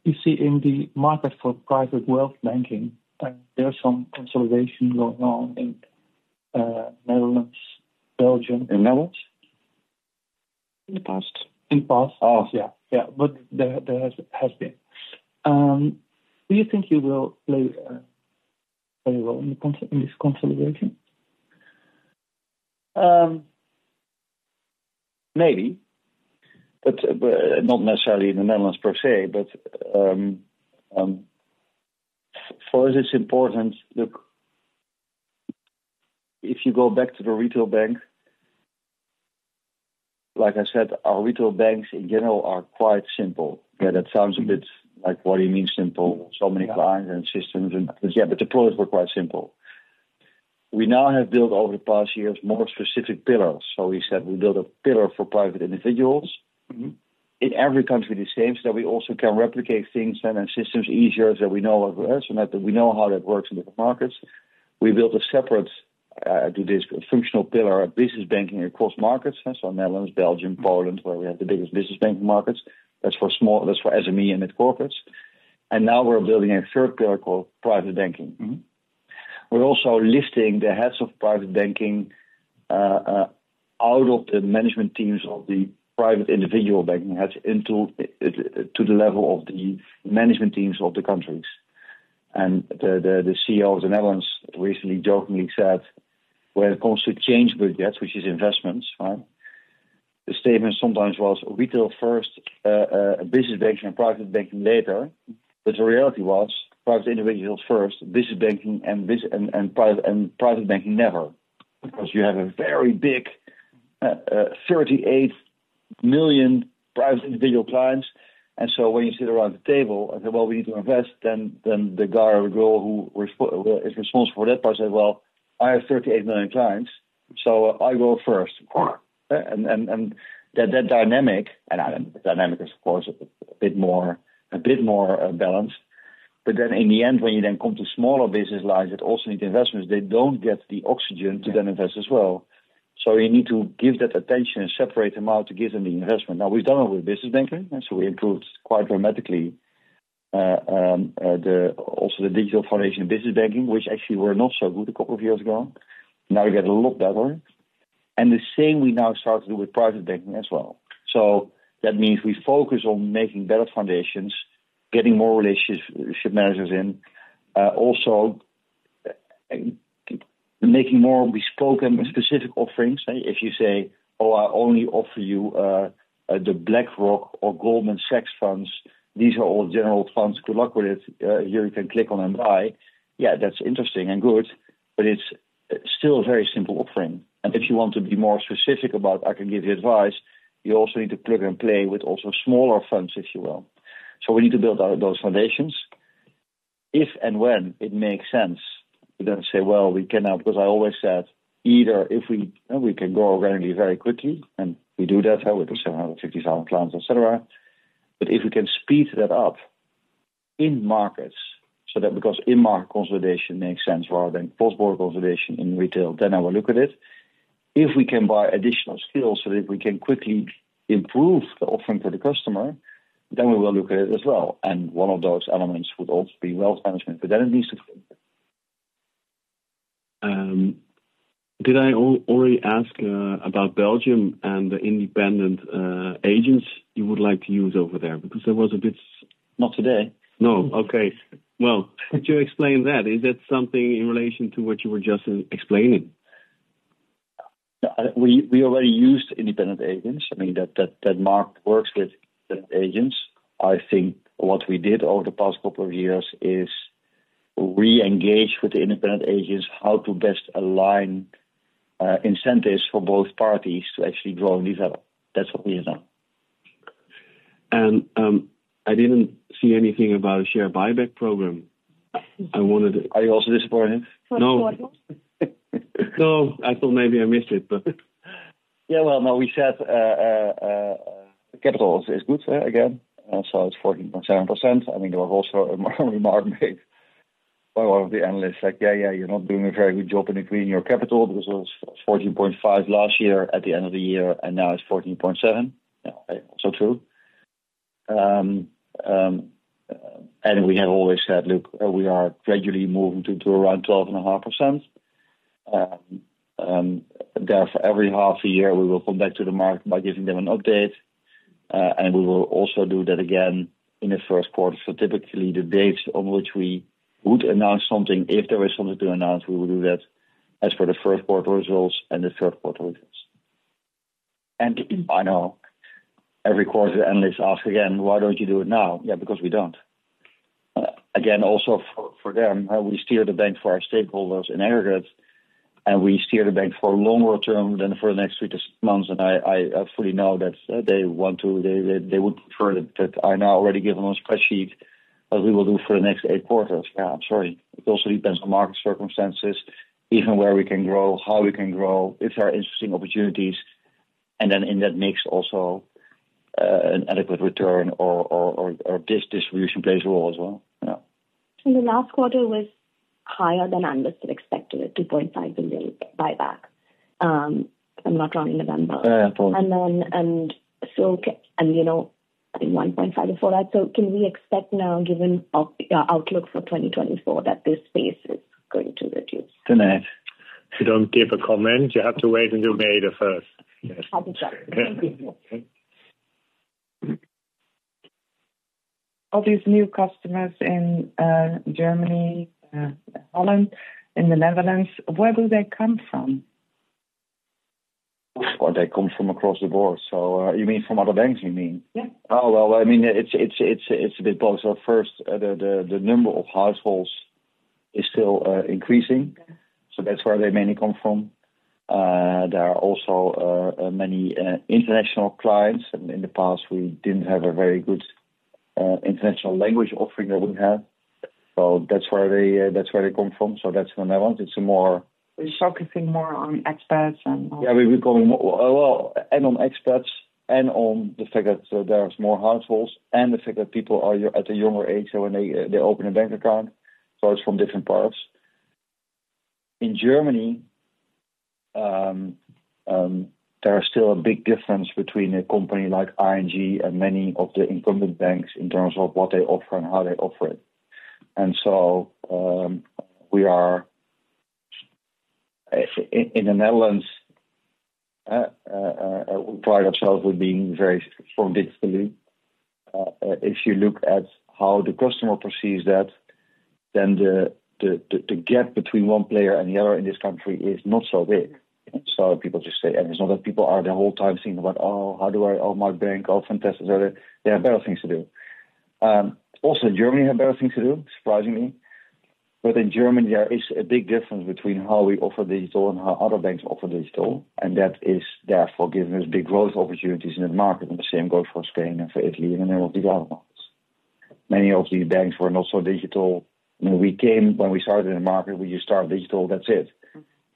You see in the market for private wealth banking, there are some consolidation going on in Netherlands, Belgium- In Netherlands? In the past. In past. Oh, yeah. Yeah, but there has been. Do you think you will play a role in this consolidation? Maybe, but not necessarily in the Netherlands per se, but for us, it's important. Look, if you go back to the retail bank, like I said, our retail banks in general are quite simple. Yeah, that sounds a bit like, what do you mean simple? So many clients and systems and, yeah, but the products were quite simple. We now have built over the past years, more specific pillars. So we said we built a pillar for private individuals. Mm-hmm. In every country, the same, so we also can replicate things and systems easier, so we know, so that we know how that works in different markets. We built a separate to this functional pillar of business banking across markets, so Netherlands, Belgium, Poland, where we have the biggest business banking markets. That's for small, that's for SME and mid-corporates. And now we're building a third pillar called private banking. Mm-hmm. We're also lifting the heads of private banking out of the management teams of the private individual banking heads into to the level of the management teams of the countries. And the CEO of the Netherlands recently jokingly said, when it comes to change budgets, which is investments, right? The statement sometimes was retail first, business banking and private banking later, but the reality was private individuals first, business banking and private banking, never. Because you have a very big 38 million private individual clients, and so when you sit around the table and say, "Well, we need to invest," then the guy or girl who is responsible for that part says, "Well, I have 38 million clients, so I go first." And that dynamic, the dynamic is of course a bit more balanced. But then in the end, when you then come to smaller business lines that also need investments, they don't get the oxygen to then invest as well. So you need to give that attention and separate them out to give them the investment. Now, we've done it with business banking, and so we improved quite dramatically also the digital foundation business banking, which actually were not so good a couple of years ago. Now we get a lot better. And the same we now start to do with private banking as well. So that means we focus on making better foundations, getting more relationship managers in, also, making more bespoke and specific offerings. If you say: Oh, I only offer you, the BlackRock or Goldman Sachs funds, these are all general funds. Good luck with it. Here you can click on and buy. Yeah, that's interesting and good, but it's still a very simple offering. And if you want to be more specific about, I can give you advice, you also need to click and play with also smaller funds, if you will. So we need to build out those foundations. If and when it makes sense, we don't say, well, we cannot, because I always said, either if we, we can grow organically very quickly, and we do that, we do 750,000 clients, et cetera. But if we can speed that up in markets, so that because in-market consolidation makes sense rather than post-market consolidation in retail, then I will look at it. If we can buy additional skills so that we can quickly improve the offering to the customer, then we will look at it as well. And one of those elements would also be wealth management, but then it needs to fit. Did I already ask about Belgium and the independent agents you would like to use over there? Because there was a bit- Not today. No. Okay. Well, could you explain that? Is that something in relation to what you were just explaining? We already used independent agents. I mean, that market works with the agents. I think what we did over the past couple of years is reengage with the independent agents, how to best align incentives for both parties to actually grow and develop. That's what we have done. I didn't see anything about a share buyback program. I wanted- Are you also disappointed? No. No, I thought maybe I missed it, but... Yeah, well, no, we said capital is good again, and so it's 14.7%. I think there was also a remark made by one of the analysts, like, "Yeah, yeah, you're not doing a very good job in agreeing your capital. This was 14.5 last year at the end of the year, and now it's 14.7." Yeah, so true. And we have always said, look, we are gradually moving to around 12.5%. Therefore, every half a year, we will come back to the market by giving them an update, and we will also do that again in the Q1. So typically, the dates on which we would announce something, if there is something to announce, we will do that as for the Q1 results and the Q3 results. I know every quarter, the analysts ask again, "Why don't you do it now?" Yeah, because we don't. Again, also for, for them, we steer the bank for our stakeholders in aggregate, and we steer the bank for longer term than for the next three to six months. And I, I fully know that they want to... They, they would prefer that I now already give them a spreadsheet, as we will do for the next eight quarters. Yeah, I'm sorry. It also depends on market circumstances, even where we can grow, how we can grow, if there are interesting opportunities, and then, and that makes also, an adequate return or, or, or, or this distribution plays a role as well. Yeah. The last quarter was higher than analysts had expected, a 2.5 billion buyback. I'm not wrong in November. Yeah. you know, 1.5 before that. So can we expect now, given your outlook for 2024, that this space is going to reduce? Tonight. If you don't give a comment, you have to wait until May the first. I'll do that. Thank you. Okay. All these new customers in Germany, Holland, in the Netherlands, where do they come from? Well, they come from across the board. So, you mean from other banks, you mean? Yeah. Oh, well, I mean, it's a bit both. So first, the number of households is still increasing. Okay. So that's where they mainly come from. There are also many international clients, and in the past, we didn't have a very good international language offering that we have. So that's where they come from. So that's the Netherlands. It's a more- We're focusing more on expats and- Yeah, we've been calling more... Well, and on expats, and on the fact that there are more households, and the fact that people are at a younger age, so when they open a bank account, so it's from different parts. In Germany, there are still a big difference between a company like ING and many of the incumbent banks in terms of what they offer and how they offer it. And so, we are in the Netherlands, pride ourselves with being very strong digitally. If you look at how the customer perceives that, then the gap between one player and the other in this country is not so big. So people just say, and it's not that people are their whole time thinking about, oh, how do I, oh, my bank, oh, fantastic. They have better things to do. Also, Germany have better things to do, surprisingly. But in Germany, there is a big difference between how we offer digital and how other banks offer digital, and that is therefore giving us big growth opportunities in the market, and the same goes for Spain and for Italy, and then all of the other ones. Many of these banks were not so digital. When we came, when we started in the market, we just started digital, that's it.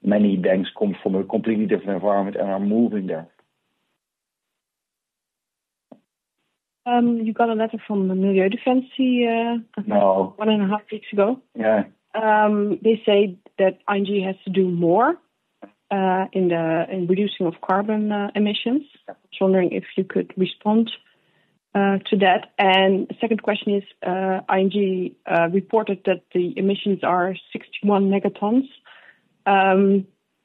Many banks come from a completely different environment and are moving there. You got a letter from the Milieudefensie. No. One and a half weeks ago. Yeah. They say that ING has to do more in reducing of carbon emissions. Just wondering if you could respond to that. The second question is, ING reported that the emissions are 61 megatons.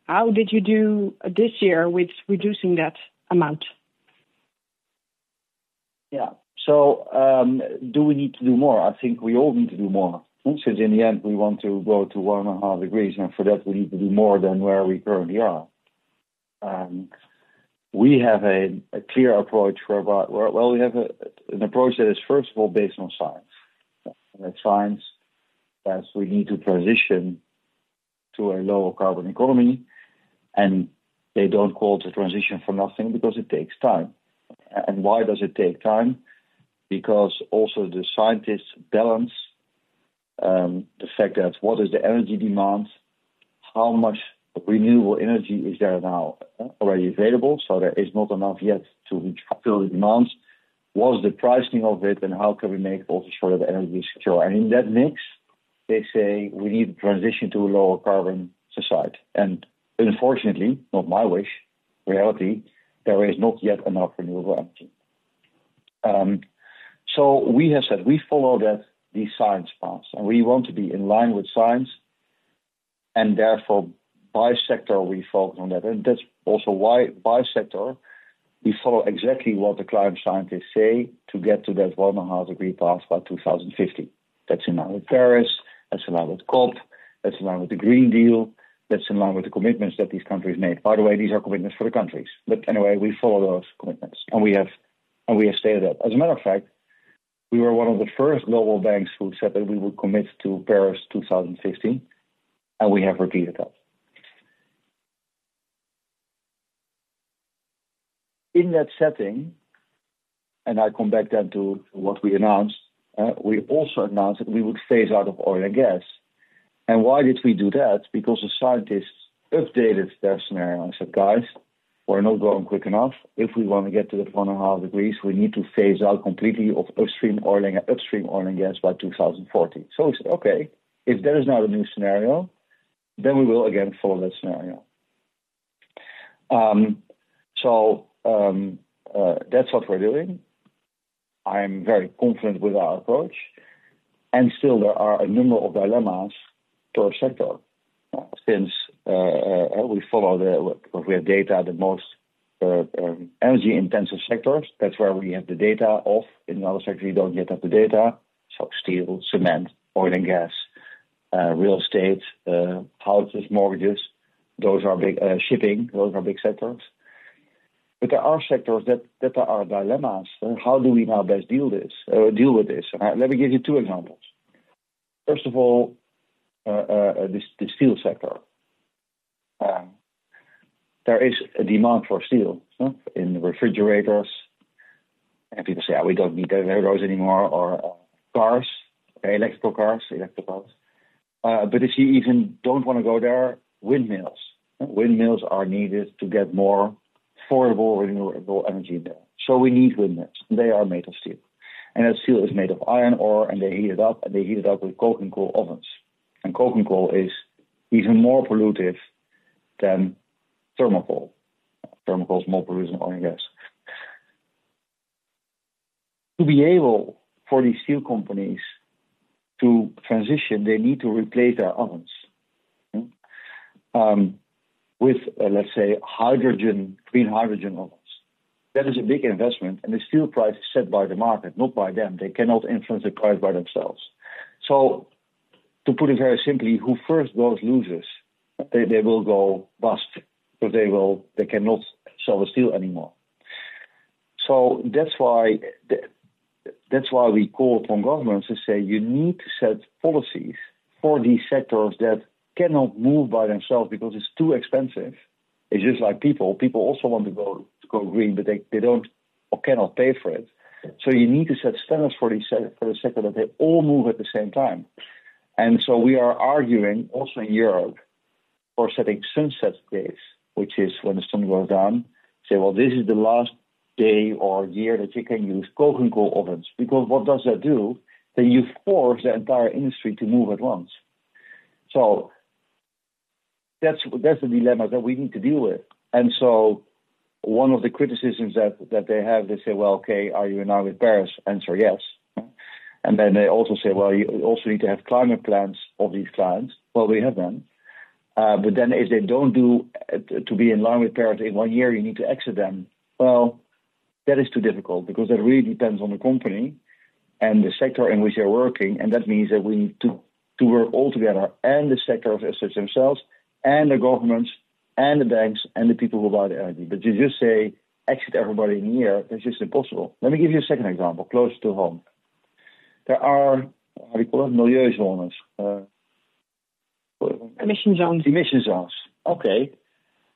How did you do this year with reducing that amount? Yeah. So, do we need to do more? I think we all need to do more. Because in the end, we want to go to 1.5 degrees, and for that, we need to do more than where we currently are. We have a clear approach. Well, we have an approach that is, first of all, based on science. And the science, as we need to transition to a lower carbon economy, and they don't call the transition for nothing because it takes time. And why does it take time? Because also the scientists balance the fact that what is the energy demand, how much renewable energy is there now already available? So there is not enough yet to fulfill the demands. What's the pricing of it, and how can we make also sure that the energy is secure? And in that mix, they say we need to transition to a lower carbon society. And unfortunately, not my wish, reality, there is not yet enough renewable energy. So we have said we follow that, the science path, and we want to be in line with science, and therefore, by sector, we focus on that. And that's also why by sector, we follow exactly what the climate scientists say to get to that one and a half degree path by 2050. That's in line with Paris, that's in line with COP, that's in line with the Green Deal, that's in line with the commitments that these countries made. By the way, these are commitments for the countries. But anyway, we follow those commitments, and we have stayed up. As a matter of fact, we were one of the first global banks who said that we would commit to Paris 2015, and we have repeated that. In that setting, and I come back then to what we announced, we also announced that we would phase out of oil and gas. And why did we do that? Because the scientists updated their scenario and said, "Guys, we're not going quick enough. If we want to get to that 1.5 degrees, we need to phase out completely of upstream oil and gas by 2040." So we said, "Okay, if there is now a new scenario, then we will again follow that scenario." That's what we're doing. I'm very confident with our approach, and still there are a number of dilemmas per sector. Since we follow the where data are the most energy intensive sectors, that's where we have the data of. In other sectors, we don't get at the data. So steel, cement, oil and gas, real estate, houses, mortgages, those are big, shipping, those are big sectors. But there are sectors that, that are dilemmas, and how do we now best deal this, deal with this? Let me give you two examples. First of all, the, the steel sector. There is a demand for steel in refrigerators, and people say, "Oh, we don't need the heroes anymore, or, cars, electrical cars, electricals." But if you even don't wanna go there, windmills. Windmills are needed to get more affordable, renewable energy there. So we need windmills, and they are made of steel. As steel is made of iron ore, and they heat it up, and they heat it up with coke and coal ovens. And coke and coal is even more polluting than thermal coal. Thermal coal is more pollution oil and gas. To be able for these steel companies to transition, they need to replace their ovens with, let's say, hydrogen, clean hydrogen ovens. That is a big investment, and the steel price is set by the market, not by them. They cannot influence the price by themselves. So to put it very simply, who first goes loses, they will go bust, so they cannot sell the steel anymore. So that's why we call upon governments to say, "You need to set policies for these sectors that cannot move by themselves because it's too expensive." It's just like people; people also want to go green, but they don't or cannot pay for it. So you need to set standards for the sector that they all move at the same time. And so we are arguing, also in Europe, for setting sunset dates, which is when the sun goes down. Say, "Well, this is the last day or year that you can use coke and coal ovens." Because what does that do? Then you force the entire industry to move at once. So that's the dilemma that we need to deal with. And so one of the criticisms that, that they have, they say, "Well, okay, are you in line with Paris?" Answer, yes. And then they also say, "Well, you also need to have climate plans of these clients." Well, we have them. But then if they don't do, to be in line with Paris, in one year, you need to exit them. Well, that is too difficult because it really depends on the company and the sector in which they're working, and that means that we need to, to work all together, and the sector of assets themselves, and the governments, and the banks, and the people who buy the energy. But you just say, exit everybody in a year, that's just impossible. Let me give you a second example, closer to home. There are, how do you call it? Milieu zones. Emission zones. Emission zones. Okay.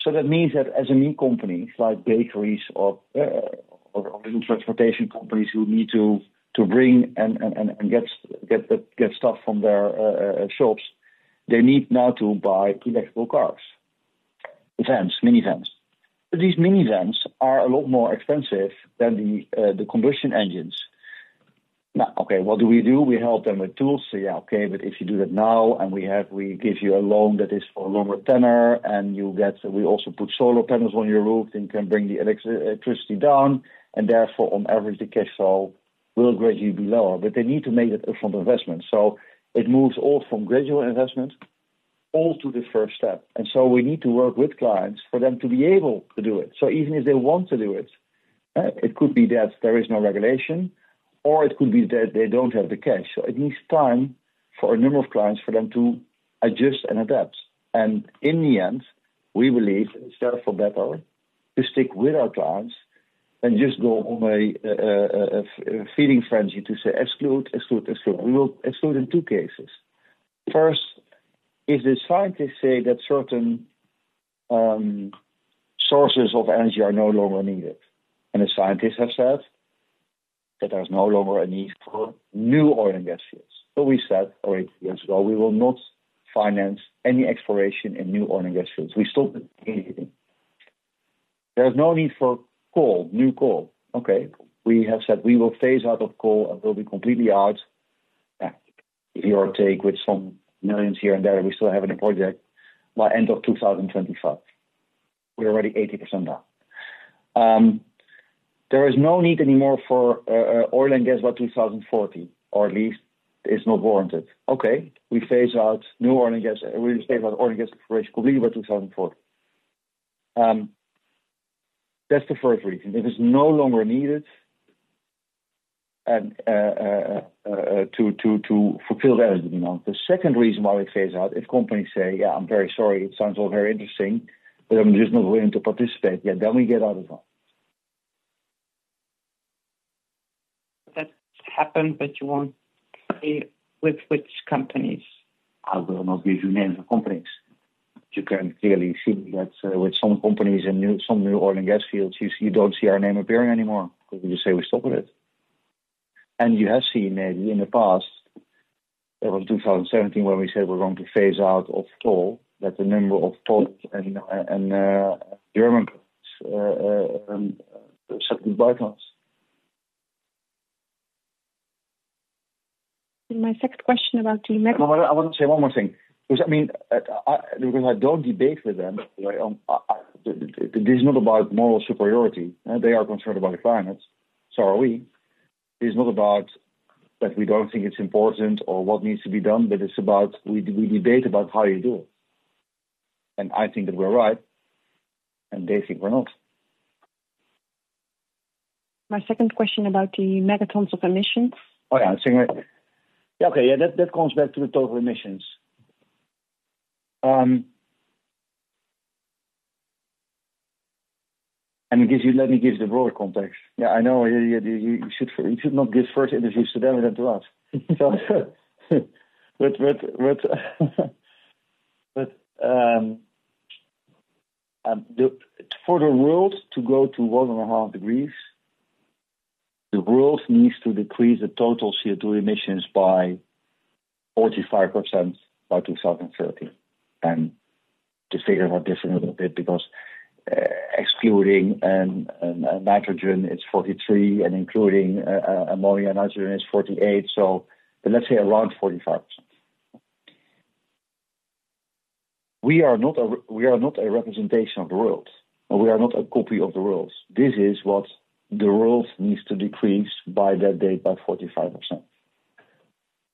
So that means that as a new company, like bakeries or little transportation companies who need to bring and get stuff from their shops, they need now to buy electric cars, vans, minivans. But these minivans are a lot more expensive than the combustion engines. Now, okay, what do we do? We help them with tools. So yeah, okay, but if you do that now and we have—we give you a loan that is for a longer tenor, and you'll get... We also put solar panels on your roof, and you can bring the electricity down, and therefore, on average, the cash flow will gradually be lower. But they need to make it up from the investment. So it moves all from gradual investment, all to the first step. So we need to work with clients for them to be able to do it. So even if they want to do it, it could be that there is no regulation, or it could be that they don't have the cash. So it needs time for a number of clients, for them to adjust and adapt. And in the end, we believe it's better for better to stick with our clients than just go on a feeding frenzy to say, "Exclude, exclude, exclude." We will exclude in two cases. First, if the scientists say that certain sources of energy are no longer needed, and the scientists have said that there's no longer a need for new oil and gas fields. So we said eight years ago, we will not finance any exploration in new oil and gas fields. We still did anything. There's no need for coal, new coal. Okay, we have said we will phase out of coal, and we'll be completely out, if you take with some millions here and there, we still have in a project, by end of 2025. We're already 80% down. There is no need anymore for oil and gas by 2040, or at least it's not warranted. Okay, we phase out new oil and gas, we phase out oil and gas exploration completely by 2040. That's the first reason. It is no longer needed to fulfill that demand. The second reason why we phase out, if companies say, "Yeah, I'm very sorry, it sounds all very interesting, but I'm just not willing to participate yet," then we get out as well. That's happened, but you won't say with which companies? I will not give you names of companies. You can clearly see that, with some companies in some new oil and gas fields, you don't see our name appearing anymore because we just say we stop with it. You have seen maybe in the past, it was 2017, where we said we're going to phase out of coal, that the number of coal and German certain buybacks. My second question about the- No, I want to say one more thing, because I mean, because I don't debate with them. This is not about moral superiority. They are concerned about the climate, so are we. It's not about that we don't think it's important or what needs to be done, but it's about we debate about how you do it. And I think that we're right, and they think we're not. My second question about the megatons of emissions. Oh, yeah. Yeah, okay. Yeah, that comes back to the total emissions. And gives you—let me give the broader context. Yeah, I know you should not give first interviews to them and to us. But for the world to go to 1.5 degrees, the world needs to decrease the total CO2 emissions by 45% by 2030. And to figure out this a little bit, because excluding nitrogen, it's 43, and including ammonia, nitrogen is 48, so let's say around 45%. We are not a representation of the world, and we are not a copy of the world. This is what the world needs to decrease by that date by 45%.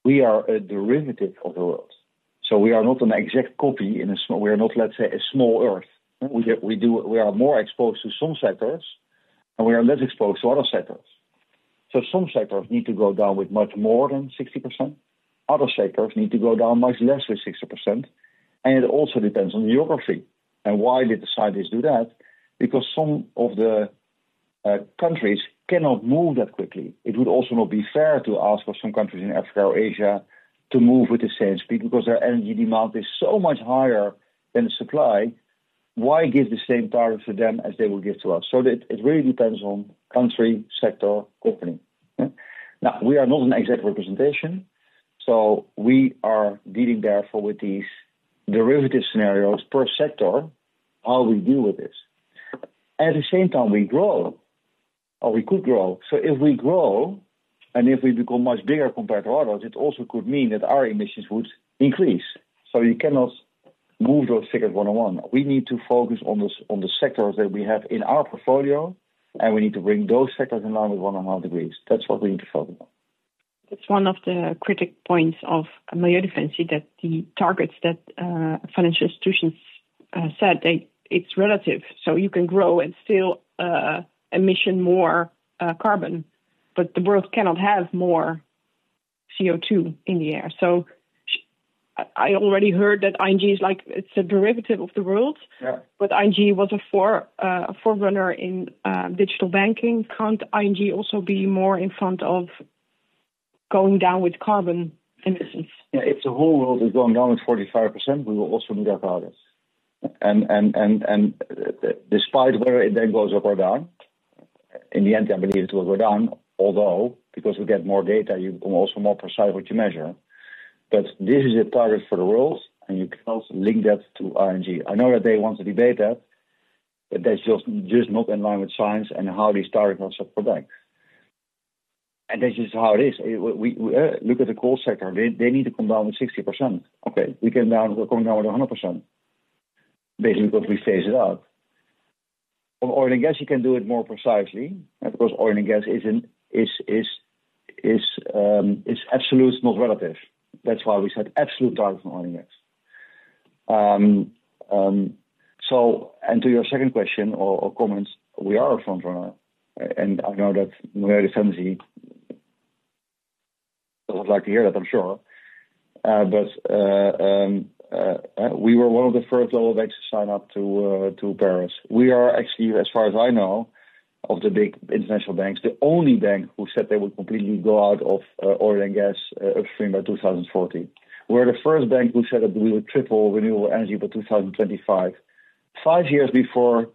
We are a derivative of the world, so we are not an exact copy in a small... We are not, let's say, a small Earth. We are more exposed to some sectors, and we are less exposed to other sectors. So some sectors need to go down with much more than 60%, other sectors need to go down much less than 60%, and it also depends on the geography. And why did the scientists do that? Because some of the countries cannot move that quickly. It would also not be fair to ask for some countries in Africa or Asia to move with the same speed, because their energy demand is so much higher than the supply. Why give the same target to them as they will give to us? So it really depends on country, sector, company. Now, we are not an exact representation, so we are dealing therefore with these derivative scenarios per sector, how we deal with this. At the same time, we grow or we could grow. So if we grow and if we become much bigger compared to others, it also could mean that our emissions would increase. So you cannot move those figures one-on-one. We need to focus on the sectors that we have in our portfolio, and we need to bring those sectors in line with one and a half degrees. That's what we need to focus on. That's one of the critical points of Milieudefensie, that the targets that financial institutions set, it's relative. So you can grow and still emit more carbon, but the world cannot have more CO2 in the air. So I already heard that ING is like, it's a derivative of the world. Yeah. But ING was a forerunner in digital banking. Can't ING also be more in front of going down with carbon emissions? Yeah, if the whole world is going down with 45%, we will also meet our targets. And despite whether it then goes up or down, in the end, I believe it will go down, although because we get more data, you can also more precise what you measure. But this is a target for the world, and you cannot link that to ING. I know that they want to debate that, but that's just, just not in line with science and how these targets are supported. And that's just how it is. We look at the coal sector. They need to come down with 60%. Okay, we came down, we're coming down with 100%, basically, because we phase it out. On oil and gas, you can do it more precisely, because oil and gas isn't absolute, not relative. That's why we set absolute targets on oil and gas. So, to your second question or comments, we are a front runner, and I know that Milieudefensie doesn't like to hear that, I'm sure. But we were one of the first global banks to sign up to Paris. We are actually, as far as I know, of the big international banks, the only bank who said they would completely go out of oil and gas upstream by 2040. We're the first bank who said that we would triple renewable energy by 2025, five years before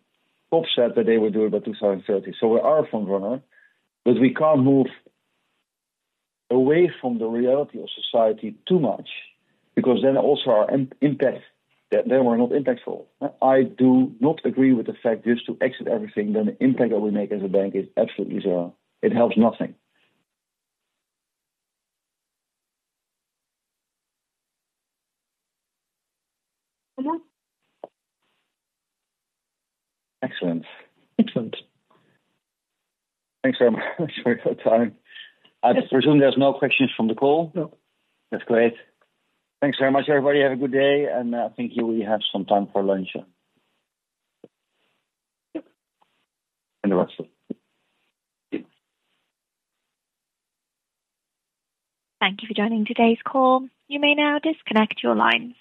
COP said that they would do it by 2030. We are a front runner, but we can't move away from the reality of society too much, because then also our impact, then we're not impactful. I do not agree with the fact just to exit everything, then the impact that we make as a bank is absolutely zero. It helps nothing. Mm-hmm. Excellent. Excellent. Thanks very much for the time. I presume there's no questions from the call? No. That's great. Thanks very much, everybody. Have a good day, and I think you will have some time for lunch. Yep. The rest of it. Thank you for joining today's call. You may now disconnect your lines.